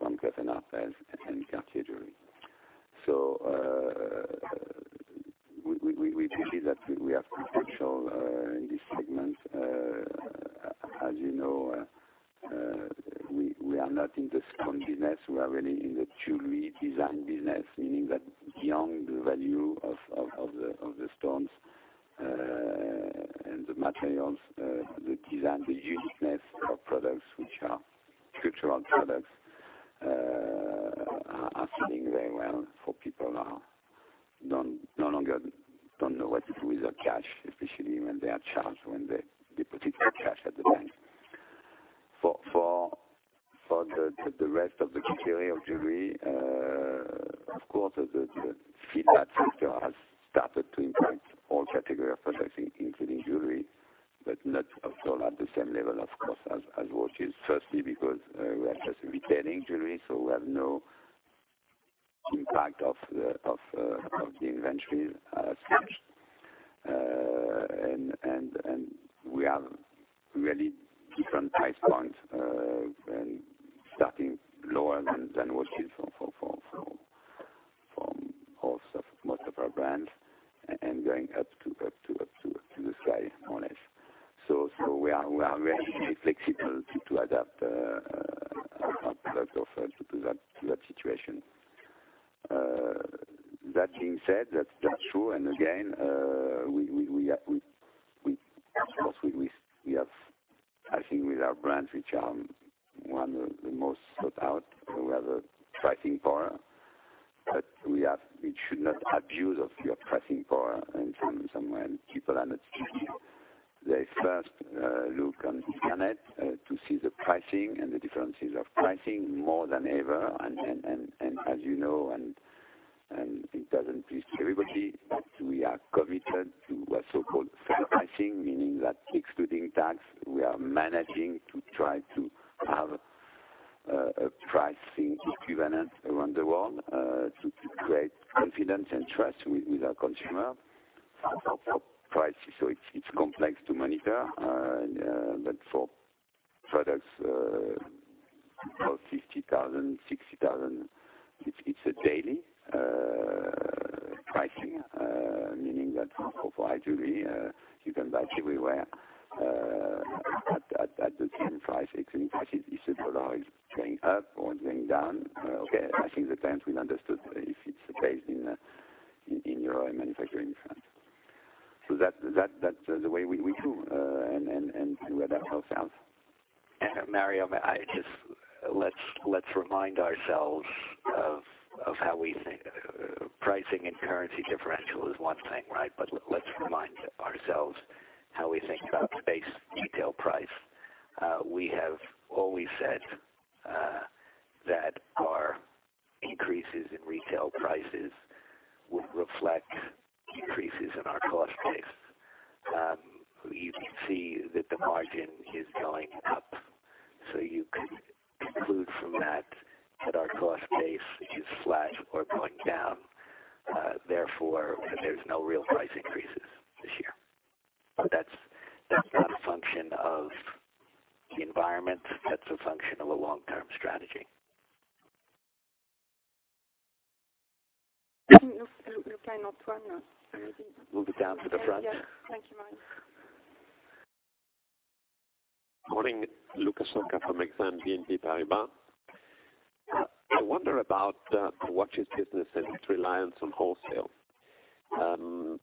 Cleef & Arpels and Cartier jewelry. We believe that we have potential in this segment. As you know, we are not in the stone business. We are really in the Jewelry design business, meaning that beyond the value of the stones and the materials, the design, the uniqueness of products, which are cultural products, are fitting very well for people now. No longer don't know what to do with their cash, especially when they are charged when they deposit their cash at the bank. For the rest of the category of jewelry, of course, the impact factor has started to impact all category of products, including jewelry, but not at all at the same level, of course, as watches. Firstly, because we are just retailing jewelry, so we have no impact of the inventory as such. We have really different price points, starting lower than watches for most of our brands and going up to the sky, more or less. We are really flexible to adapt our product offer to that situation. That being said, that's true. Again, of course, I think with our brands, which are one of the most sought out, we have a pricing power, we should not abuse of your pricing power. Somewhere, people are not stupid. They first look on the internet to see the pricing and the differences of pricing more than ever. As you know, and it doesn't please everybody, we are committed to what's so-called fair pricing, meaning that excluding tax, we are managing to try to have a pricing equivalent around the world to create confidence and trust with our consumer. For prices, it's complex to monitor. For products for 50,000, 60,000, it's a daily pricing, meaning that for high jewelry, you can buy everywhere at the same price, excluding taxes. If the dollar is going up or going down, okay, I think the client will understand if it's based in Euro and manufactured in France. That's the way we do, and we are almost out. Mario, let's remind ourselves of how we think. Pricing and currency differential is one thing, right? Let's remind ourselves how we think about base retail price. We have always said that our increases in retail prices will reflect increases in our cost base. You can see that the margin is going up, so you could conclude from that our cost base is flat or going down. Therefore, there's no real price increases this year. That's not a function of the environment, that's a function of a long-term strategy. I think Luca and Antoine maybe. Move it down to the front. Yes. Thank you, Mario. Morning. Luca Solca from Exane BNP Paribas. I wonder about the watches business and its reliance on wholesale. The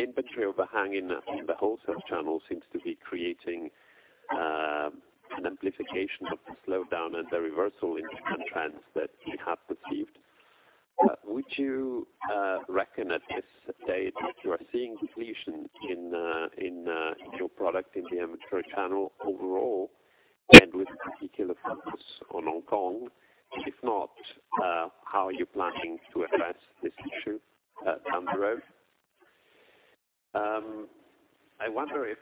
inventory overhang in the wholesale channel seems to be creating an amplification of the slowdown and the reversal in the trends that we have perceived. Would you reckon at this stage that you are seeing depletion in your product in the inventory channel overall, and with particular focus on Hong Kong? If not, how are you planning to address this issue down the road? I wonder if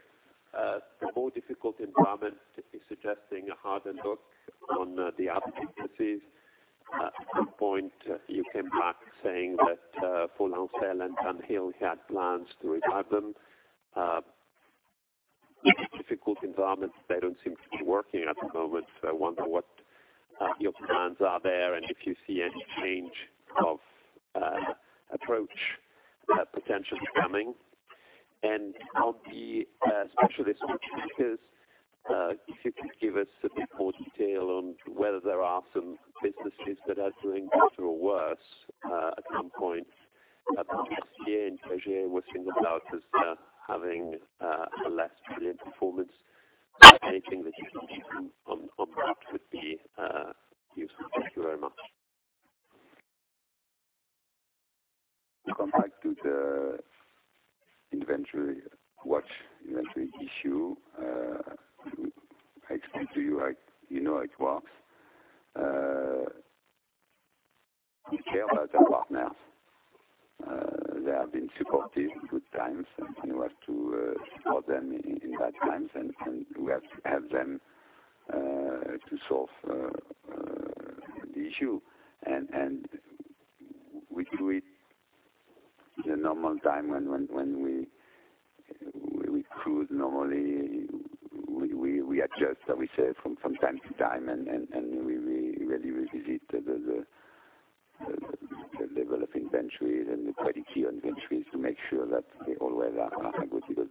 the more difficult environment is suggesting a harder look on the other businesses. At some point, you came back saying that for Lancel and Dunhill, you had plans to revive them. With the difficult environment, they don't seem to be working at the moment. I wonder what your plans are there and if you see any change of approach potentially coming. On the specialist watches, if you could give us a bit more detail on whether there are some businesses that are doing better or worse. At some point, Cartier was singled out as having a less brilliant performance. Anything that you can give on that would be useful. Thank you very much. To come back to the inventory issue. I explained to you know it works. Care about the partners. They have been supportive in good times, and we have to support them in bad times, and we have to help them to solve the issue. We do it in a normal time when we could normally, we adjust, we say, from time to time, and we really revisit the level of inventories and the credit key on inventories to make sure that they always are good because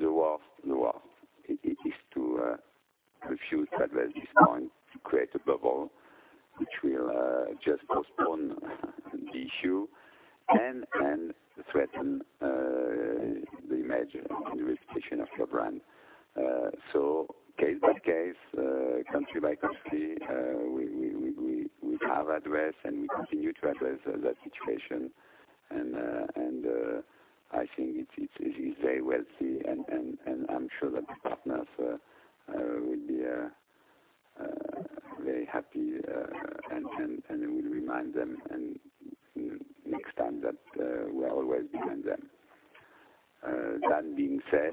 the worst is to refuse to address this point, to create a bubble, which will just postpone the issue and threaten the image and the reputation of your brand. Case by case, country by country, we have addressed and we continue to address that situation. I think it is very wealthy and I'm sure that the partners will be very happy, and it will remind them next time that we are always behind them. That being said,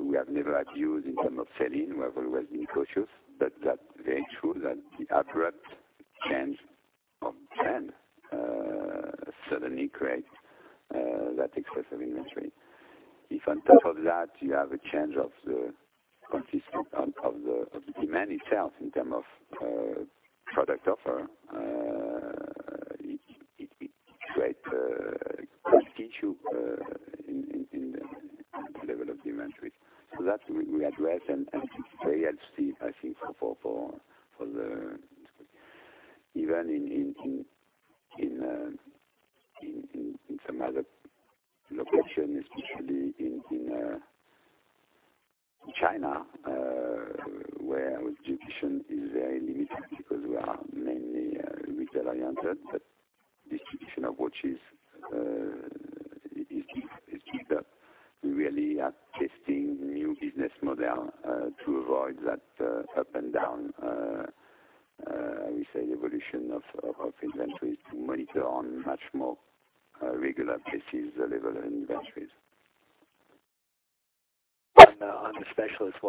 we have never abused in terms of selling. We have always been cautious, but that's very true that the abrupt change of brand suddenly creates that excess of inventory. If on top of that you have a change of the consistency of the demand itself in terms of product offer, it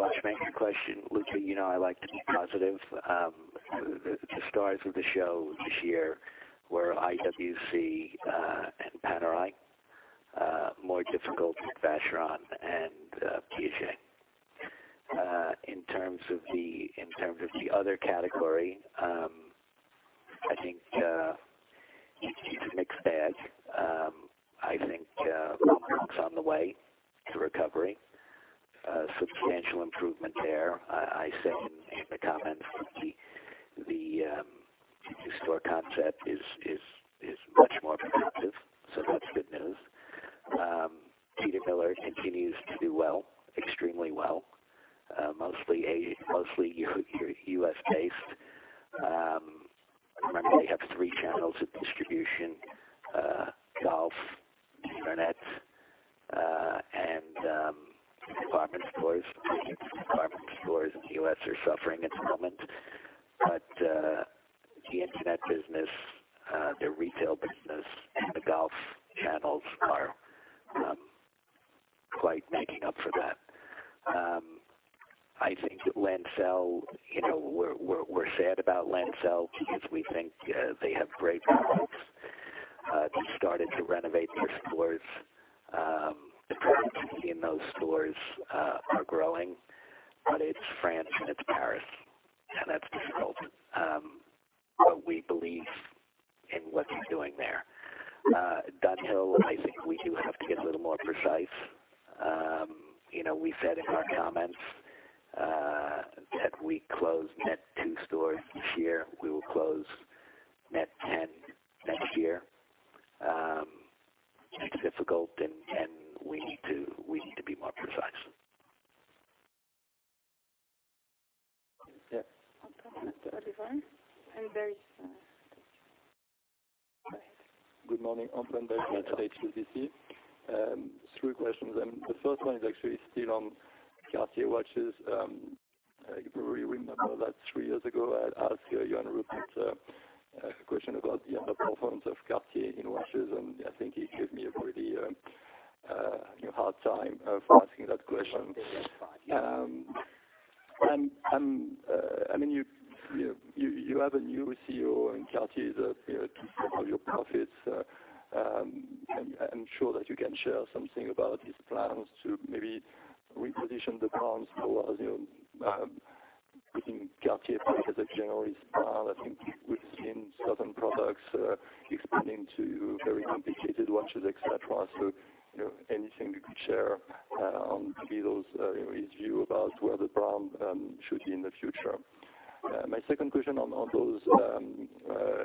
level of inventories. On the specialist watchmaking question, Luca, you know I like to be positive. The stars of the show this year were IWC, and Panerai more difficult with Vacheron and Piaget. In terms of the other category, I think it's a mixed bag. I think [Rolex] on the way to recovery, substantial improvement there. I said in the comments the store concept is much more productive, so that's good news. Peter Millar continues to do well, extremely well. Mostly U.S.-based. Remember, they have three channels of distribution: golf, internet, and department stores. Department stores in the U.S. are suffering at the moment, but the internet business, their retail business, and the golf channels are quite making up for that. I think that Lancel, we're sad about Lancel because we think they have great products. They started to renovate their stores. The productivity in those stores are growing, but it's France and it's Paris, and that's difficult. We believe in what they're doing there. Dunhill, I think we do have to get a little more precise. We said in our comments that we closed net two stores this year. We will close net 10 next year. It's difficult, and we need to be more precise. Yeah. Antoine Belge Good morning. Antoine Belge at HSBC. Three questions, the first one is actually still on Cartier watches. If you remember that three years ago, I had asked Johann Rupert a question about the underperformance of Cartier in watches, I think he gave me a pretty hard time for asking that question. That's fine. You have a new CEO in Cartier that took over your profits. I'm sure that you can share something about his plans to maybe reposition the brands towards putting Cartier back as a generalist brand. I think we've seen certain products expanding to very complicated watches, et cetera. Anything you could share on maybe his view about where the brand should be in the future? My second question on those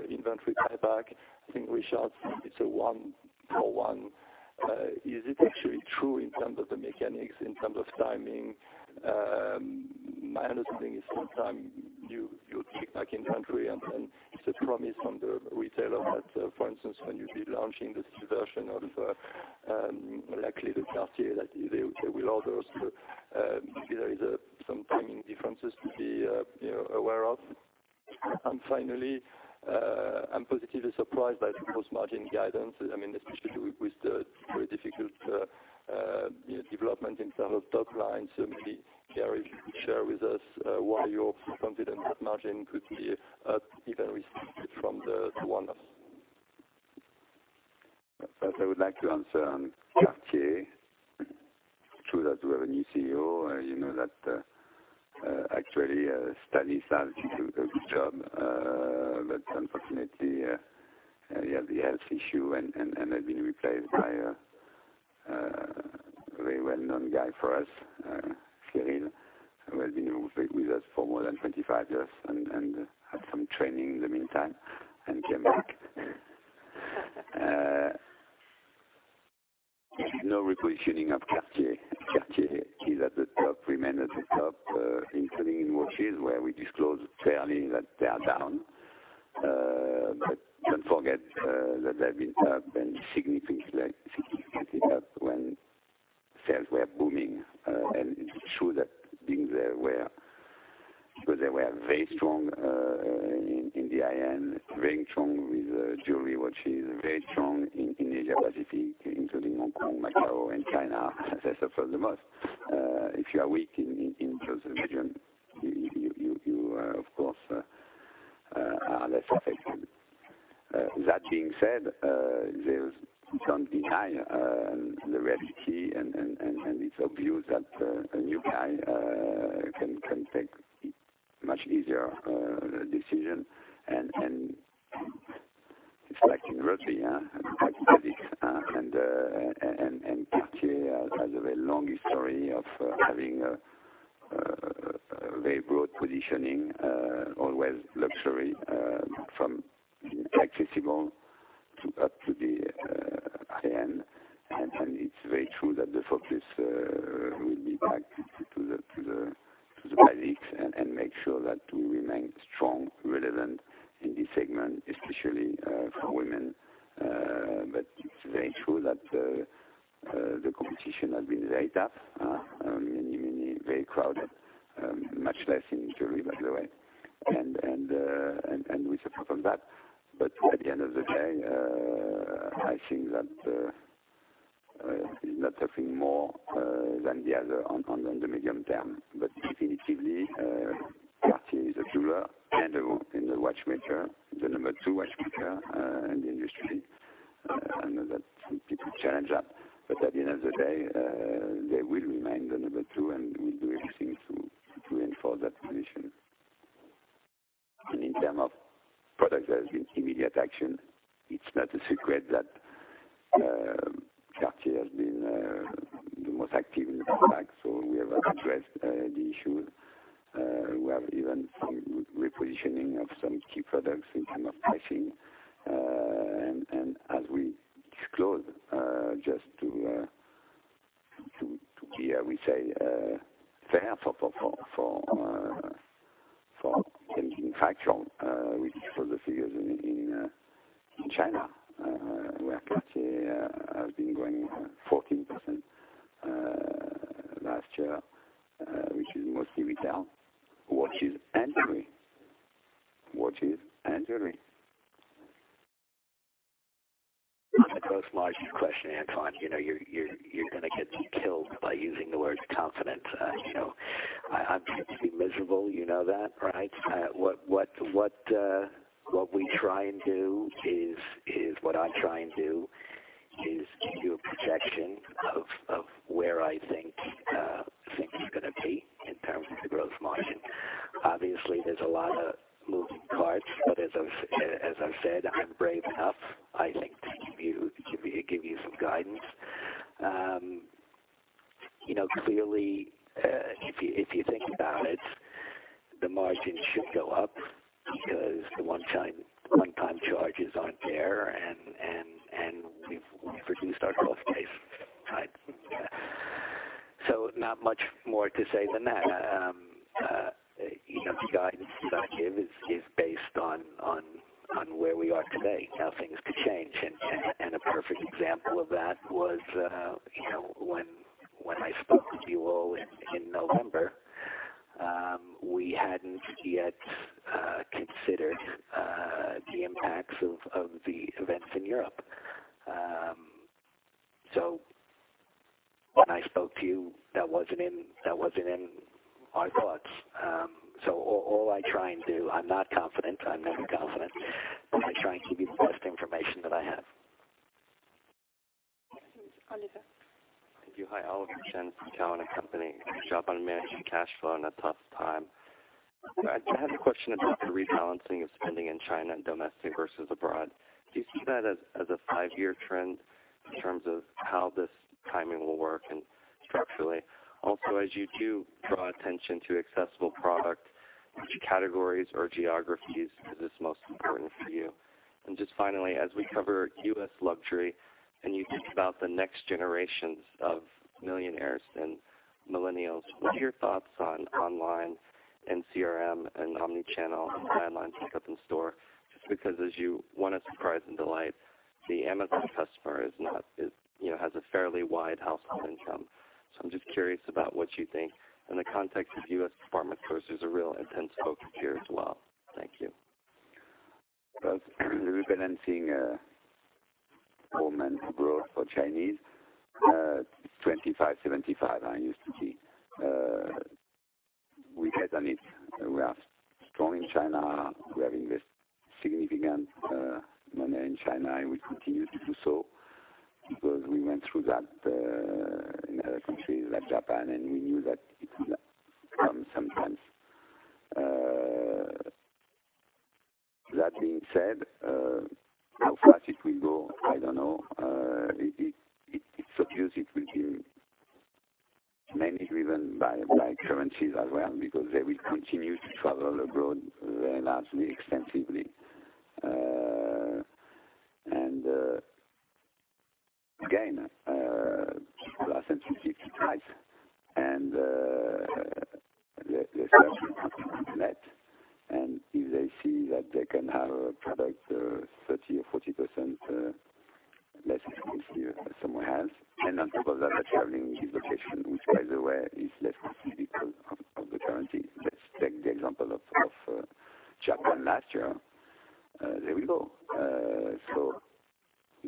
inventory buyback, I think Richard, it's a one for one. Is it actually true in terms of the mechanics, in terms of timing? My understanding is sometime you take back inventory and then it's a promise from the retailer that, for instance, when you'll be launching this version of, likely the Cartier, that they will order. There is some timing differences to be aware of. Finally, I'm positively surprised by gross margin guidance, especially with the very difficult development in terms of top line. Maybe, Gary Saage, if you could share with us why you're so confident that margin could be up even with from the one-off. First I would like to answer on Cartier. True that we have a new CEO. You know that actually Stanislas did a good job. Unfortunately he had the health issue, and had been replaced by a very well-known guy for us, Cyrille. Who's been with us for more than 25 years and had some training in the meantime and came back. There is no repositioning of Cartier. Cartier is at the top, remains at the top, including in watches, where we disclose fairly that they are down. Don't forget that they've been up and significantly up when sales were booming. It's true that being there where. They were very strong in the high-end, very strong with jewelry watches, very strong in Asia Pacific, including Hong Kong, Macau, and China, as they suffer the most. If you are weak in those regions, you are, of course, less affected. That being said, there's some denial and the risk, it's obvious that a new guy can take much easier decisions. It's like in rugby, I said it. Cartier has a very long history of having a very broad positioning, always luxury, from accessible up to the high-end. It's very true that the focus will be back to the basics and make sure that we remain strong, relevant in this segment, especially for women. It's very true that the competition has been very tough, very crowded. Much less in jewelry, by the way. We suffer from that. At the end of the day, I think that it's not suffering more than the other on the medium term. Definitively, Cartier is a jeweler and a watchmaker, the number 2 watchmaker in the industry. I know that some people challenge that, but at the end of the day, they will remain the number 2, and we'll do everything to reinforce that position. In term of product, there has been immediate action. It's not a secret that Cartier has been the most active in the pullback, so we have addressed the issue. We have even some repositioning of some key products in term of pricing. As we disclose, just to be, I would say, fair for changing factual, we disclose the figures in China, where Cartier has been growing 14% last year, which is mostly retail watches and jewelry. The gross margin question, Antoine, you're going to get killed by using the word confident. I'm going to be miserable, you know that, right? What we try and do is, what I try and do is give you a projection of where I think things are going to be in terms of the gross margin. Obviously, there's a lot of moving parts, but as I've said, I'm brave enough, I think, to give you some guidance. Clearly, if you think about it, the margin should go up because the one-time charges aren't there, and we've reduced our cost base. Not much more to say than that. The guidance that I give is based on where we are today. Now things could change. A perfect example of that was when I spoke with you all in November. We hadn't yet considered the impacts of the events in Europe. When I spoke to you, that wasn't in my thoughts. All I try and do, I'm not confident. I'm never confident. I try and give you the best information that I have. Oliver. Thank you. Hi, Oliver Chen, Cowen and Company. Good job on managing cash flow in a tough time. I have a question about the rebalancing of spending in China and domestic versus abroad. Do you see that as a five-year trend in terms of how this timing will work and structurally? Also, as you do draw attention to accessible product, which categories or geographies is this most important for you? Just finally, as we cover U.S. luxury and you think about the next generations of millionaires and millennials, what are your thoughts on online and CRM and omni-channel and online pickup in store? Just because as you want to surprise and delight, the Amazon customer has a fairly wide household income. I'm just curious about what you think in the context of U.S. department stores. There's a real intense focus here as well. Thank you. As rebalancing momentum growth for Chinese, it's 25/75, I used to see. We bet on it. We are strong in China. We have invested significant money in China. We continue to do so because we went through that in other countries like Japan, and we knew that it would come sometimes. That being said, how fast it will go, I don't know. It's obvious it will be mainly driven by black currencies as well, because they will continue to travel abroad very largely, extensively. Again, people are sensitive to price, and they search on the internet, and if they see that they can have a product 30% or 40% less expensive somewhere else, and on top of that, they're traveling this location, which, by the way, is less expensive because of the currency. Let's take the example of Japan last year. There we go.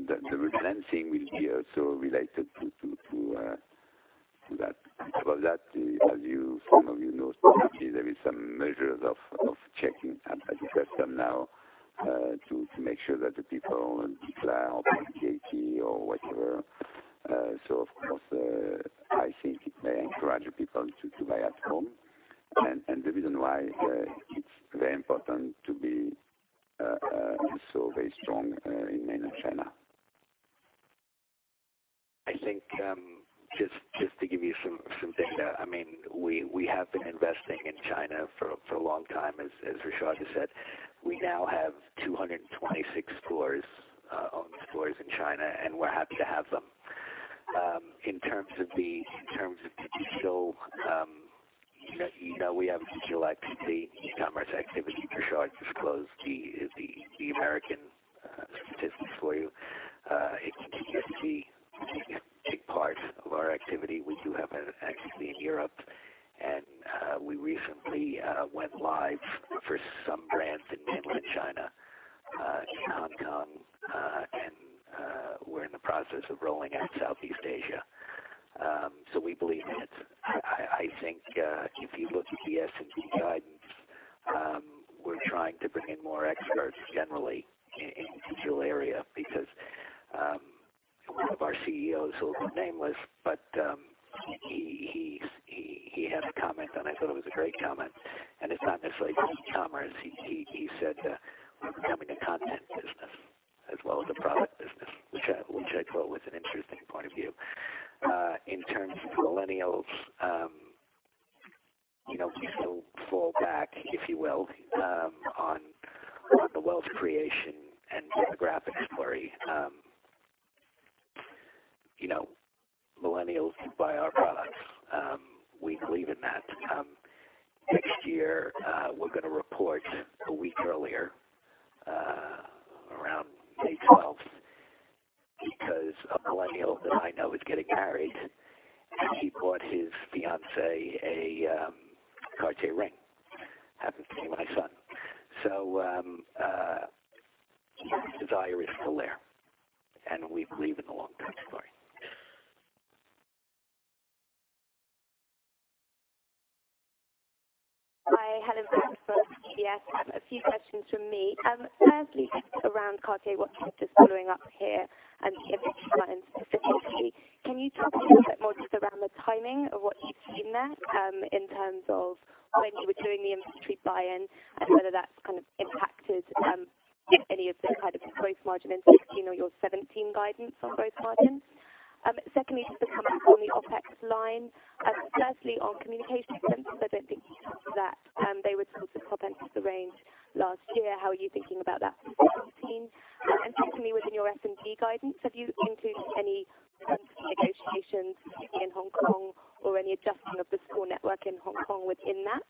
The rebalancing will be also related to that. Because that, as some of you know, specifically, there are some measures of checking at the customs now to make sure that the people declare all the VAT or whatever. Of course, I think it may encourage people to buy at home, and the reason why it's very important to be also very strong in mainland China. I think, just to give you some data. We have been investing in China for a long time, as Richard has said. We now have 226 stores, owned stores in China, and we're happy to have them. In terms of digital, we have digital activity, e-commerce activity. Richard disclosed the American statistics for you. It's a significant part of our activity. We do have an activity in Europe, and we recently went live for some brands in mainland China, in Hong Kong, and we're in the process of rolling out Southeast Asia. We believe in it. I think, if you look at the S&D guidance, we're trying to bring in more experts generally range last year. How are you thinking about that for 2017? Secondly, within your S&D guidance, have you included any rental negotiations in Hong Kong or any adjusting of the store network in Hong Kong within that?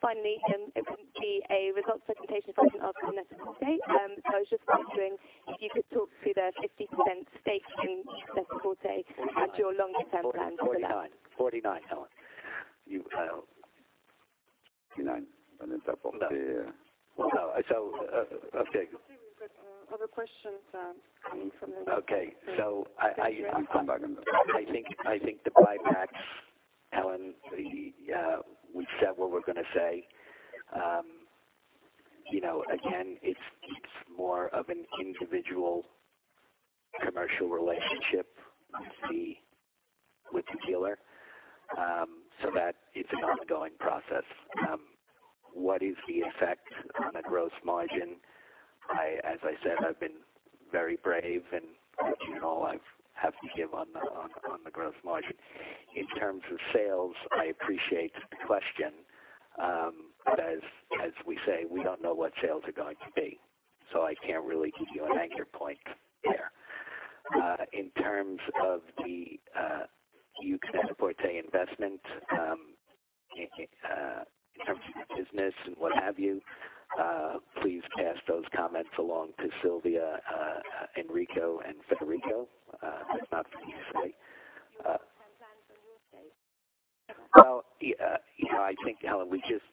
Finally, it wouldn't be a results presentation if I didn't ask on Net-A-Porter. I was just wondering if you could talk through the 50% stake in Essential Net-A-Porter and your longer-term plans for that. 49, Helen. 49. Well, no. Okay. I see we've got other questions coming from the. Okay. You can come back on that. I think the buyback, Helen, we've said what we're gonna say. Again, it's more of an individual commercial relationship with the dealer. That is an ongoing process. What is the effect on a gross margin? As I said, I've been very brave, and you all have to give on the gross margin. In terms of sales, I appreciate the question. As we say, we don't know what sales are going to be, so I can't really give you an anchor point there. In terms of the [Net-A-Porter] investment, in terms of the business and what have you, please pass those comments along to Silvia, Enrico, and Federico. That's not for me to say. Your plans on your side. Well, I think, Helen, we've just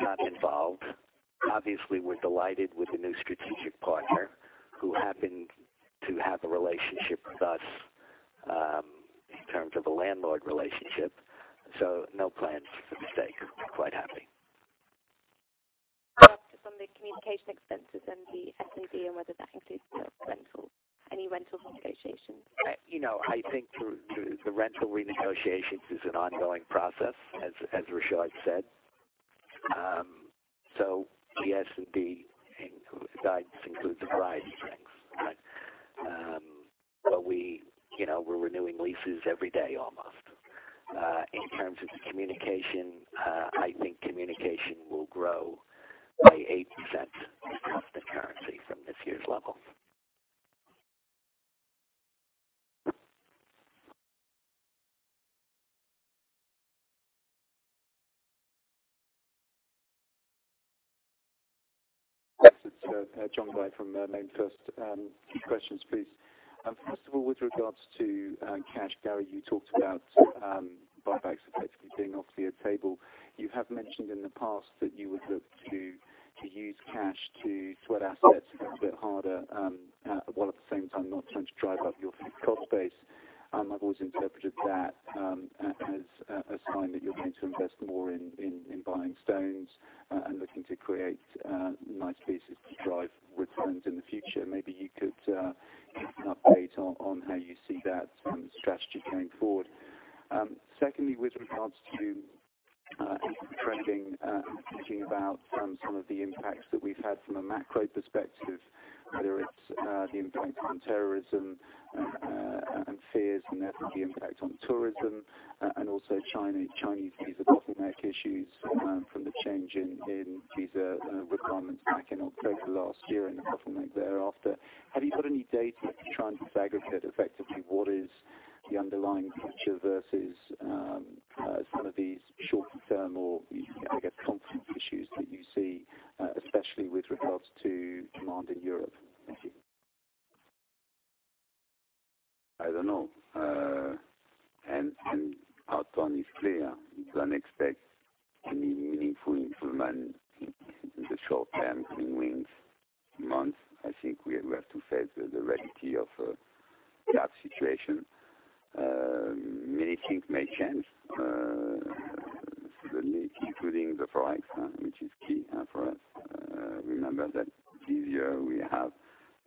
got involved. We're delighted with the new strategic partner, who happened to have a relationship with us in terms of a landlord relationship. No plans for the stake. Quite happy. From the communication expenses and the S&D and whether that includes any rental renegotiations. I think the rental renegotiations is an ongoing process, as Richard said. The S&D guidance includes a variety of things. We're renewing leases every day, almost. In terms of the communication, I think communication will grow by 8% constant currency from this year's level. Yes, it's John White from [NameFirst]. Two questions, please. First of all, with regards to cash, Gary, you talked about buybacks effectively being off the table. You have mentioned in the past that you would look to use cash to sweat assets a bit harder, while at the same time not trying to drive up your fixed cost base. I've always interpreted that as a sign that you're going to invest more in buying stones and looking to create nice pieces to drive returns in the future. Maybe you could give an update on how you see that strategy going forward. Secondly, with regards to tracking, thinking about some of the impacts that we've had from a macro perspective, whether it's the impact on terrorism and fears and therefore the impact on tourism, and also Chinese visa bottleneck issues from the change in visa requirements back in October last year and the bottleneck thereafter. Have you got any data to try and disaggregate effectively what is the underlying picture versus some of these shorter-term or, I guess, content issues that you see, especially with regards to demand in Europe? Thank you. I don't know. Our tone is clear. Don't expect any meaningful improvement in the short term, in weeks, months. I think we have to face the reality of that situation. Many things may change suddenly, including the ForEx, which is key for us. Remember that this year we have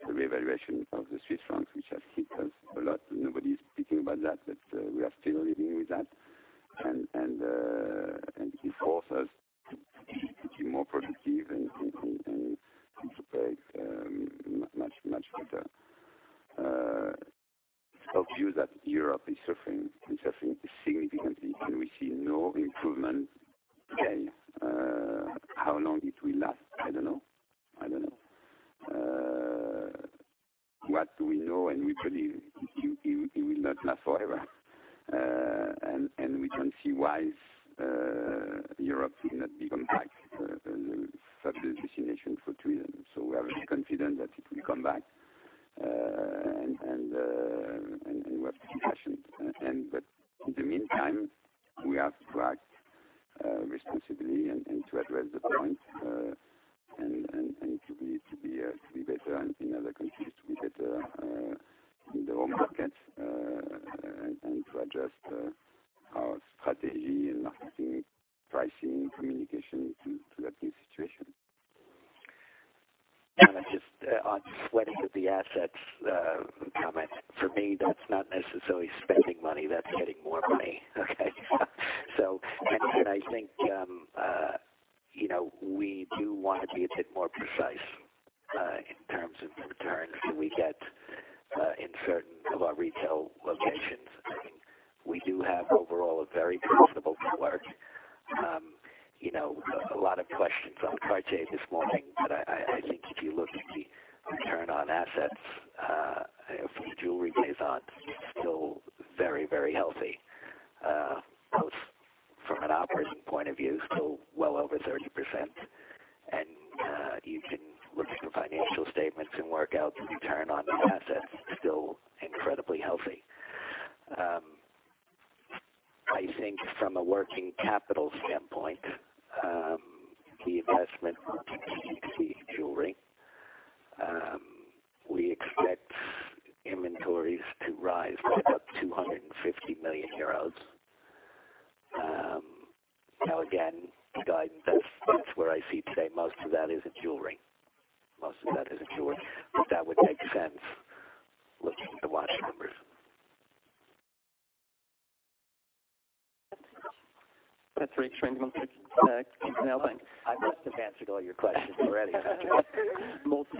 the revaluation of the Swiss francs, which has hit us a lot. Nobody is speaking about that, we are still living with that, and it forces us to be more productive and to play much better. Our view is that Europe is suffering significantly, and we see no improvement yet. How long it will last, I don't know. What we know and we believe, it will not last forever. We don't see why Europe will not become back the favorite destination for tourism. We are very confident that it will come back, and we have to be patient. In the meantime, we have to act responsibly and to address the point and to be better and in other countries, to be better in their own markets, and to adjust our strategy in marketing, pricing, communication to that new situation. Just on sweating of the assets comment. For me, that's not necessarily spending money, that's getting more money, okay? I think we do want to be a bit more precise in terms of the returns that we get in certain of our retail locations. I think we do have overall a very profitable network. A lot of questions on Cartier this morning, but I think if you look at the return on assets from a Jewelry Maison, still very healthy. From an operating point of view, still well over 30%, and you can look at the financial statements and work out the return on assets, still incredibly healthy. I think from a working capital standpoint, the investment in jewelry, we expect inventories to rise by about EUR 250 million. Again, the guidance, that's where I see today, most of that is in jewelry. Most of that is in jewelry. That would make sense looking at the watch numbers. Patrik Schwendimann from Zürcher Kantonalbank I must have answered all your questions already. What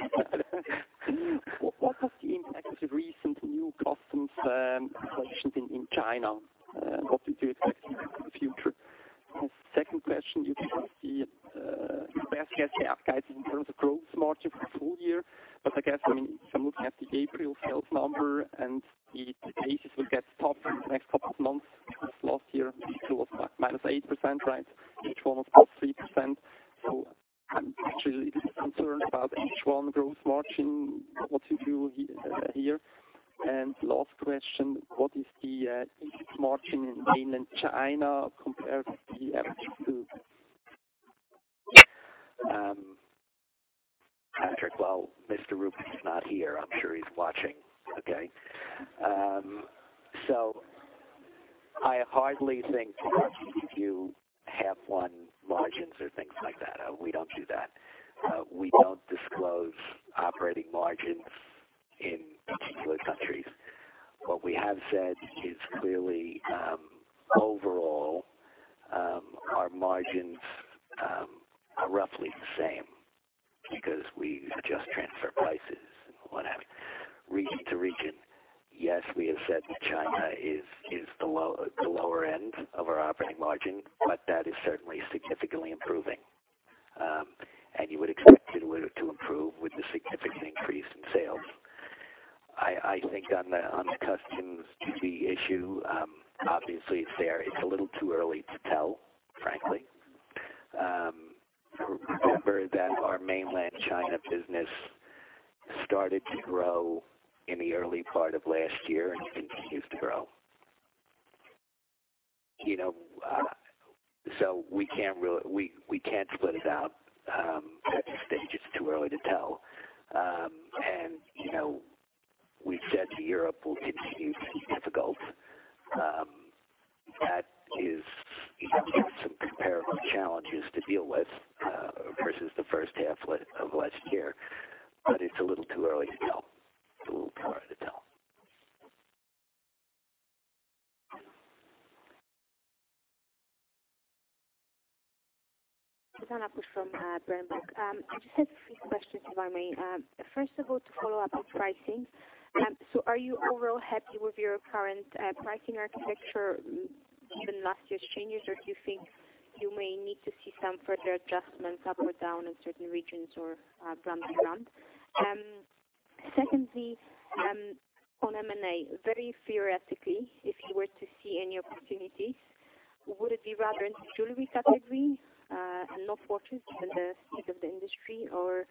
was the impact of the recent new customs regulations in China? What do you expect in the future? Second question, you gave the best guess guidance in terms of gross margin for the full year, but I guess, I mean, if I'm looking at the April sales number and the basis will get tough in the next couple of months because last year it was like -8%, right? H1 was +3%. I'm actually a little concerned about H1 gross margin. What do you hear? Last question, what is the margin in Mainland China compared to the rest of the group? Well, Mr. Rupert is not here. I'm sure he's watching. Okay. I hardly think you have one margins or things like that. We don't do that. We don't disclose operating margins in particular countries. What we have said is clearly, overall, our margins are roughly the same because we adjust transfer prices and what have you, region to region. Yes, we have said that China is the lower end of our operating margin, but that is certainly significantly improving. You would expect it were to improve with the significant increase in sales. I think on the customs duty issue, obviously it's there. It's a little too early to tell, frankly. Remember that our Mainland China business started to grow in the early part of last year and continues to grow. We can't split it out at this stage. It's too early to tell. We've said to Europe will continue to be difficult. That is some comparable challenges to deal with, versus the first half of last year. It's a little too early to tell. Zuzanna Pusz from Berenberg. I just have three questions, if I may. First of all, to follow up on pricing. Are you overall happy with your current pricing architecture, given last year's changes? Do you think you may need to see some further adjustments up or down in certain regions or brand-to-brand? Secondly, on M&A, very theoretically, if you were to see any opportunities, would it be rather in the jewelry category, not watches given the state of the industry, or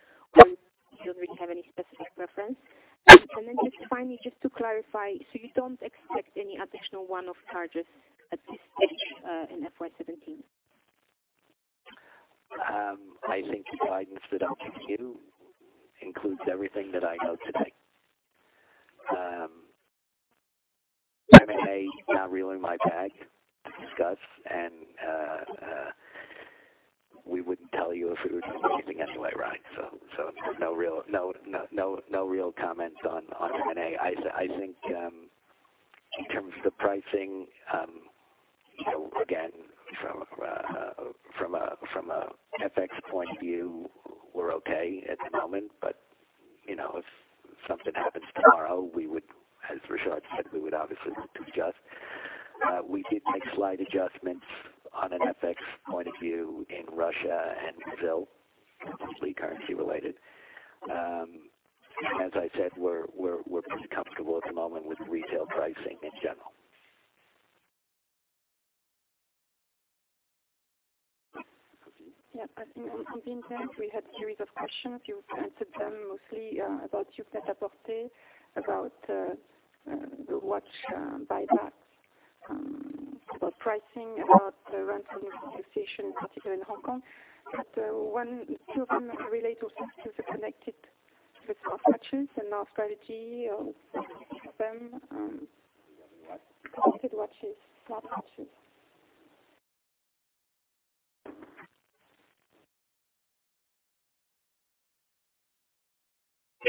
you don't really have any specific preference? Just finally, just to clarify, you don't expect any additional one-off charges at this stage in FY 2017? I think the guidance that I gave you includes everything that I know today. M&A is not really my bag, to discuss, and we wouldn't tell you if it was anything anyway, right? No real comments on M&A. I think in terms of the pricing, again, from a FX point of view, we're okay at the moment, but if something happens tomorrow, we would, as Richard said, we would obviously need to adjust. We did make slight adjustments on an FX point of view in Russia and Brazil, completely currency-related. As I said, we're pretty comfortable at the moment with retail pricing in general. Yeah. I think on Vincent, we had series of questions. You've answered them mostly, about your prêt-à-porter, about the watch buyback, about pricing, about rental association, particularly in Hong Kong. Two of them relate also to the connected smartwatches and our strategy of them. The watches? Connected watches, smartwatches.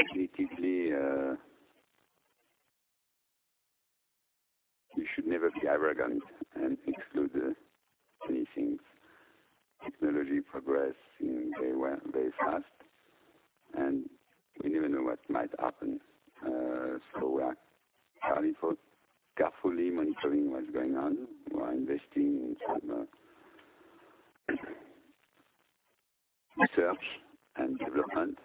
Typically, you should never be arrogant and exclude anything. Technology progressing very fast. We never know what might happen. We are carefully monitoring what's going on. We are investing in some research and development,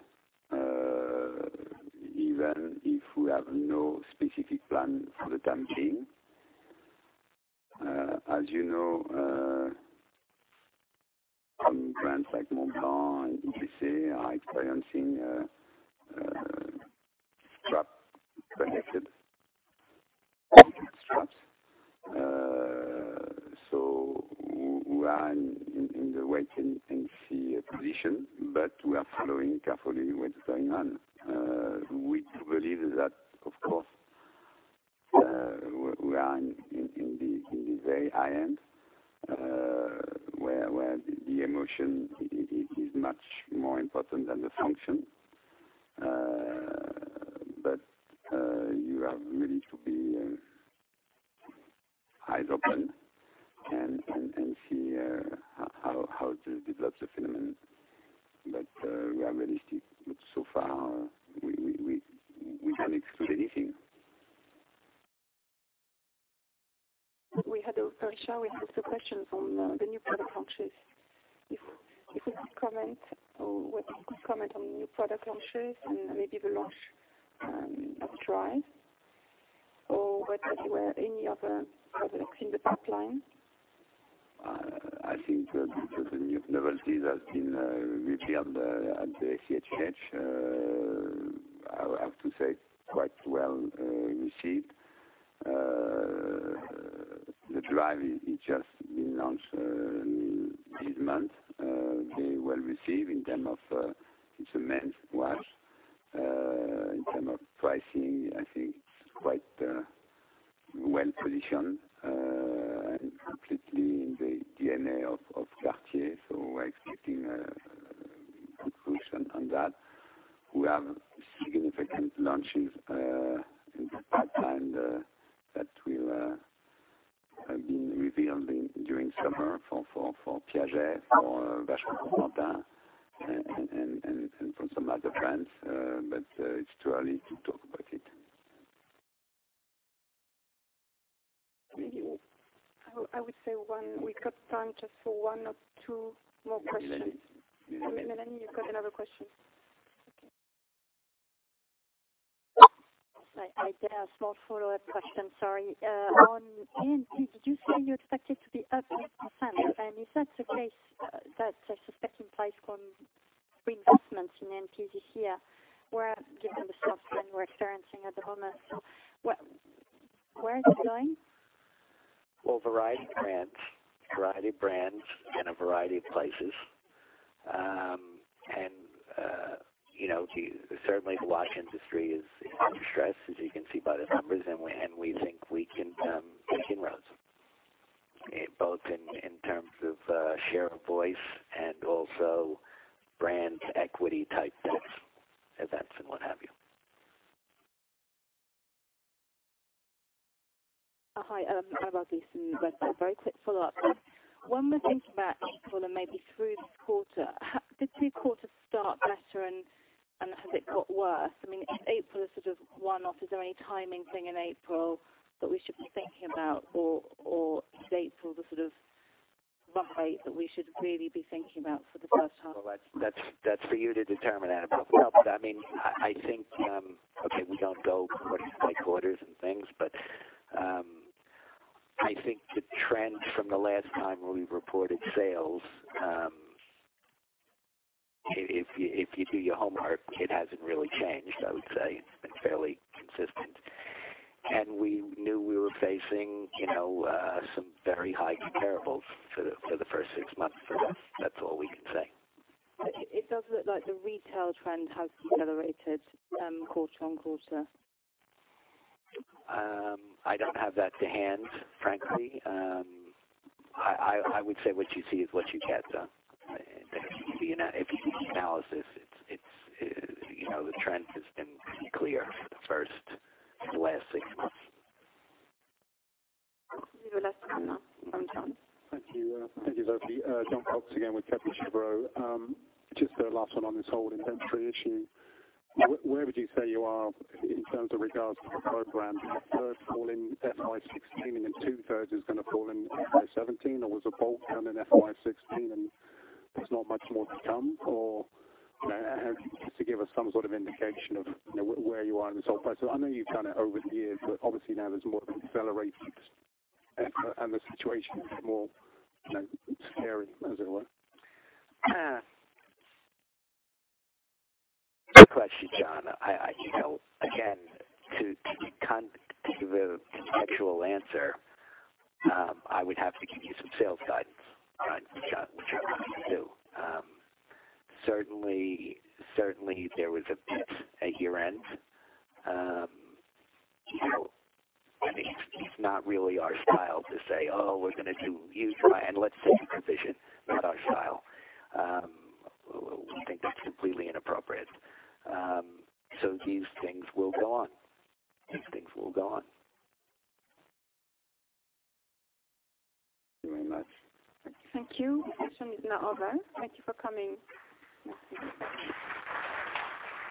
even if we have no specific plan for the time being. As you know, some brands like Montblanc, etc, are experiencing a strap connected. We are in the wait and see position, but we are following carefully what's going on. We do believe that, of course, we are in the very high end, where the emotion is much more important than the function. You are ready to be eyes open and see how it develops, the phenomenon. We are realistic. So far, we don't exclude anything. We had also, Richard, we had two questions on the new product launches. If you could comment on new product launches and maybe the launch of Drive or whether there were any other products in the pipeline. I think the new novelties has been revealed at the SIHH. To say quite well received. The Drive, it just been launched this month. Very well received. It's a men's watch. In term of pricing, I think it's quite well-positioned, and completely in the DNA of Cartier, so we're expecting good function on that. We have significant launches in the pipeline that will have been revealed during summer for Piaget, for Vacheron Constantin, and from some other brands. It's too early to talk about it. Maybe I would say we got time just for one or two more questions. Yeah. Mélanie, you've got another question. Okay. I have a small follow-up question. Sorry. On Net-A-Porter, did you say you expected to be up 8%? If that's the case, that I suspect implies some reinvestments in Net-A-Porter this year, given the softness we're experiencing at the moment. Where are you going? Well, variety of brands in a variety of places. Certainly, the watch industry is under stress, as you can see by the numbers, and we think we can make inroads, both in terms of share of voice and also brand equity-type events and what have you. Hi. Annabel from Redburn. Very quick follow-up. When we're thinking about April and maybe through the quarter, did the two quarters start better and has it got worse? I mean, is April a sort of one-off? Is there any timing thing in April that we should be thinking about? Is April the sort of rough rate that we should really be thinking about for the first half? Well, that's for you to determine, Annabel. Well, I mean, okay, we don't go by quarters and things, but, I think the trends from the last time we reported sales, if you do your homework, it hasn't really changed, I would say. It's been fairly consistent. We knew we were facing some very high comparables for the first six months. That's all we can say. It does look like the retail trend has decelerated quarter on quarter. I don't have that to hand, frankly. I would say what you see is what you get. If you do the analysis, the trend has been clear for the first last six months. Last one now from John. Thank you. Thank you both. Jon Cox again with Credit Suisse. Just a last one on this whole inventory issue. Where would you say you are in terms of regards to the program? A third fall in FY 2016, two-thirds is going to fall in FY 2017, or was a bulk done in FY 2016, and there's not much more to come? Have you to give us some sort of indication of where you are in this whole process? I know you've done it over the years, obviously now there's more of an acceleration, the situation is more scary, as it were. Good question, John. To give a contextual answer, I would have to give you some sales guidance, John, which I'm not going to do. Certainly, there was a dip at year-end. It's not really our style to say, "Oh, we're going to do" You try and let's set a position. Not our style. We think that's completely inappropriate. These things will go on. These things will go on. Thank you very much. Thank you. Session is now over. Thank you for coming.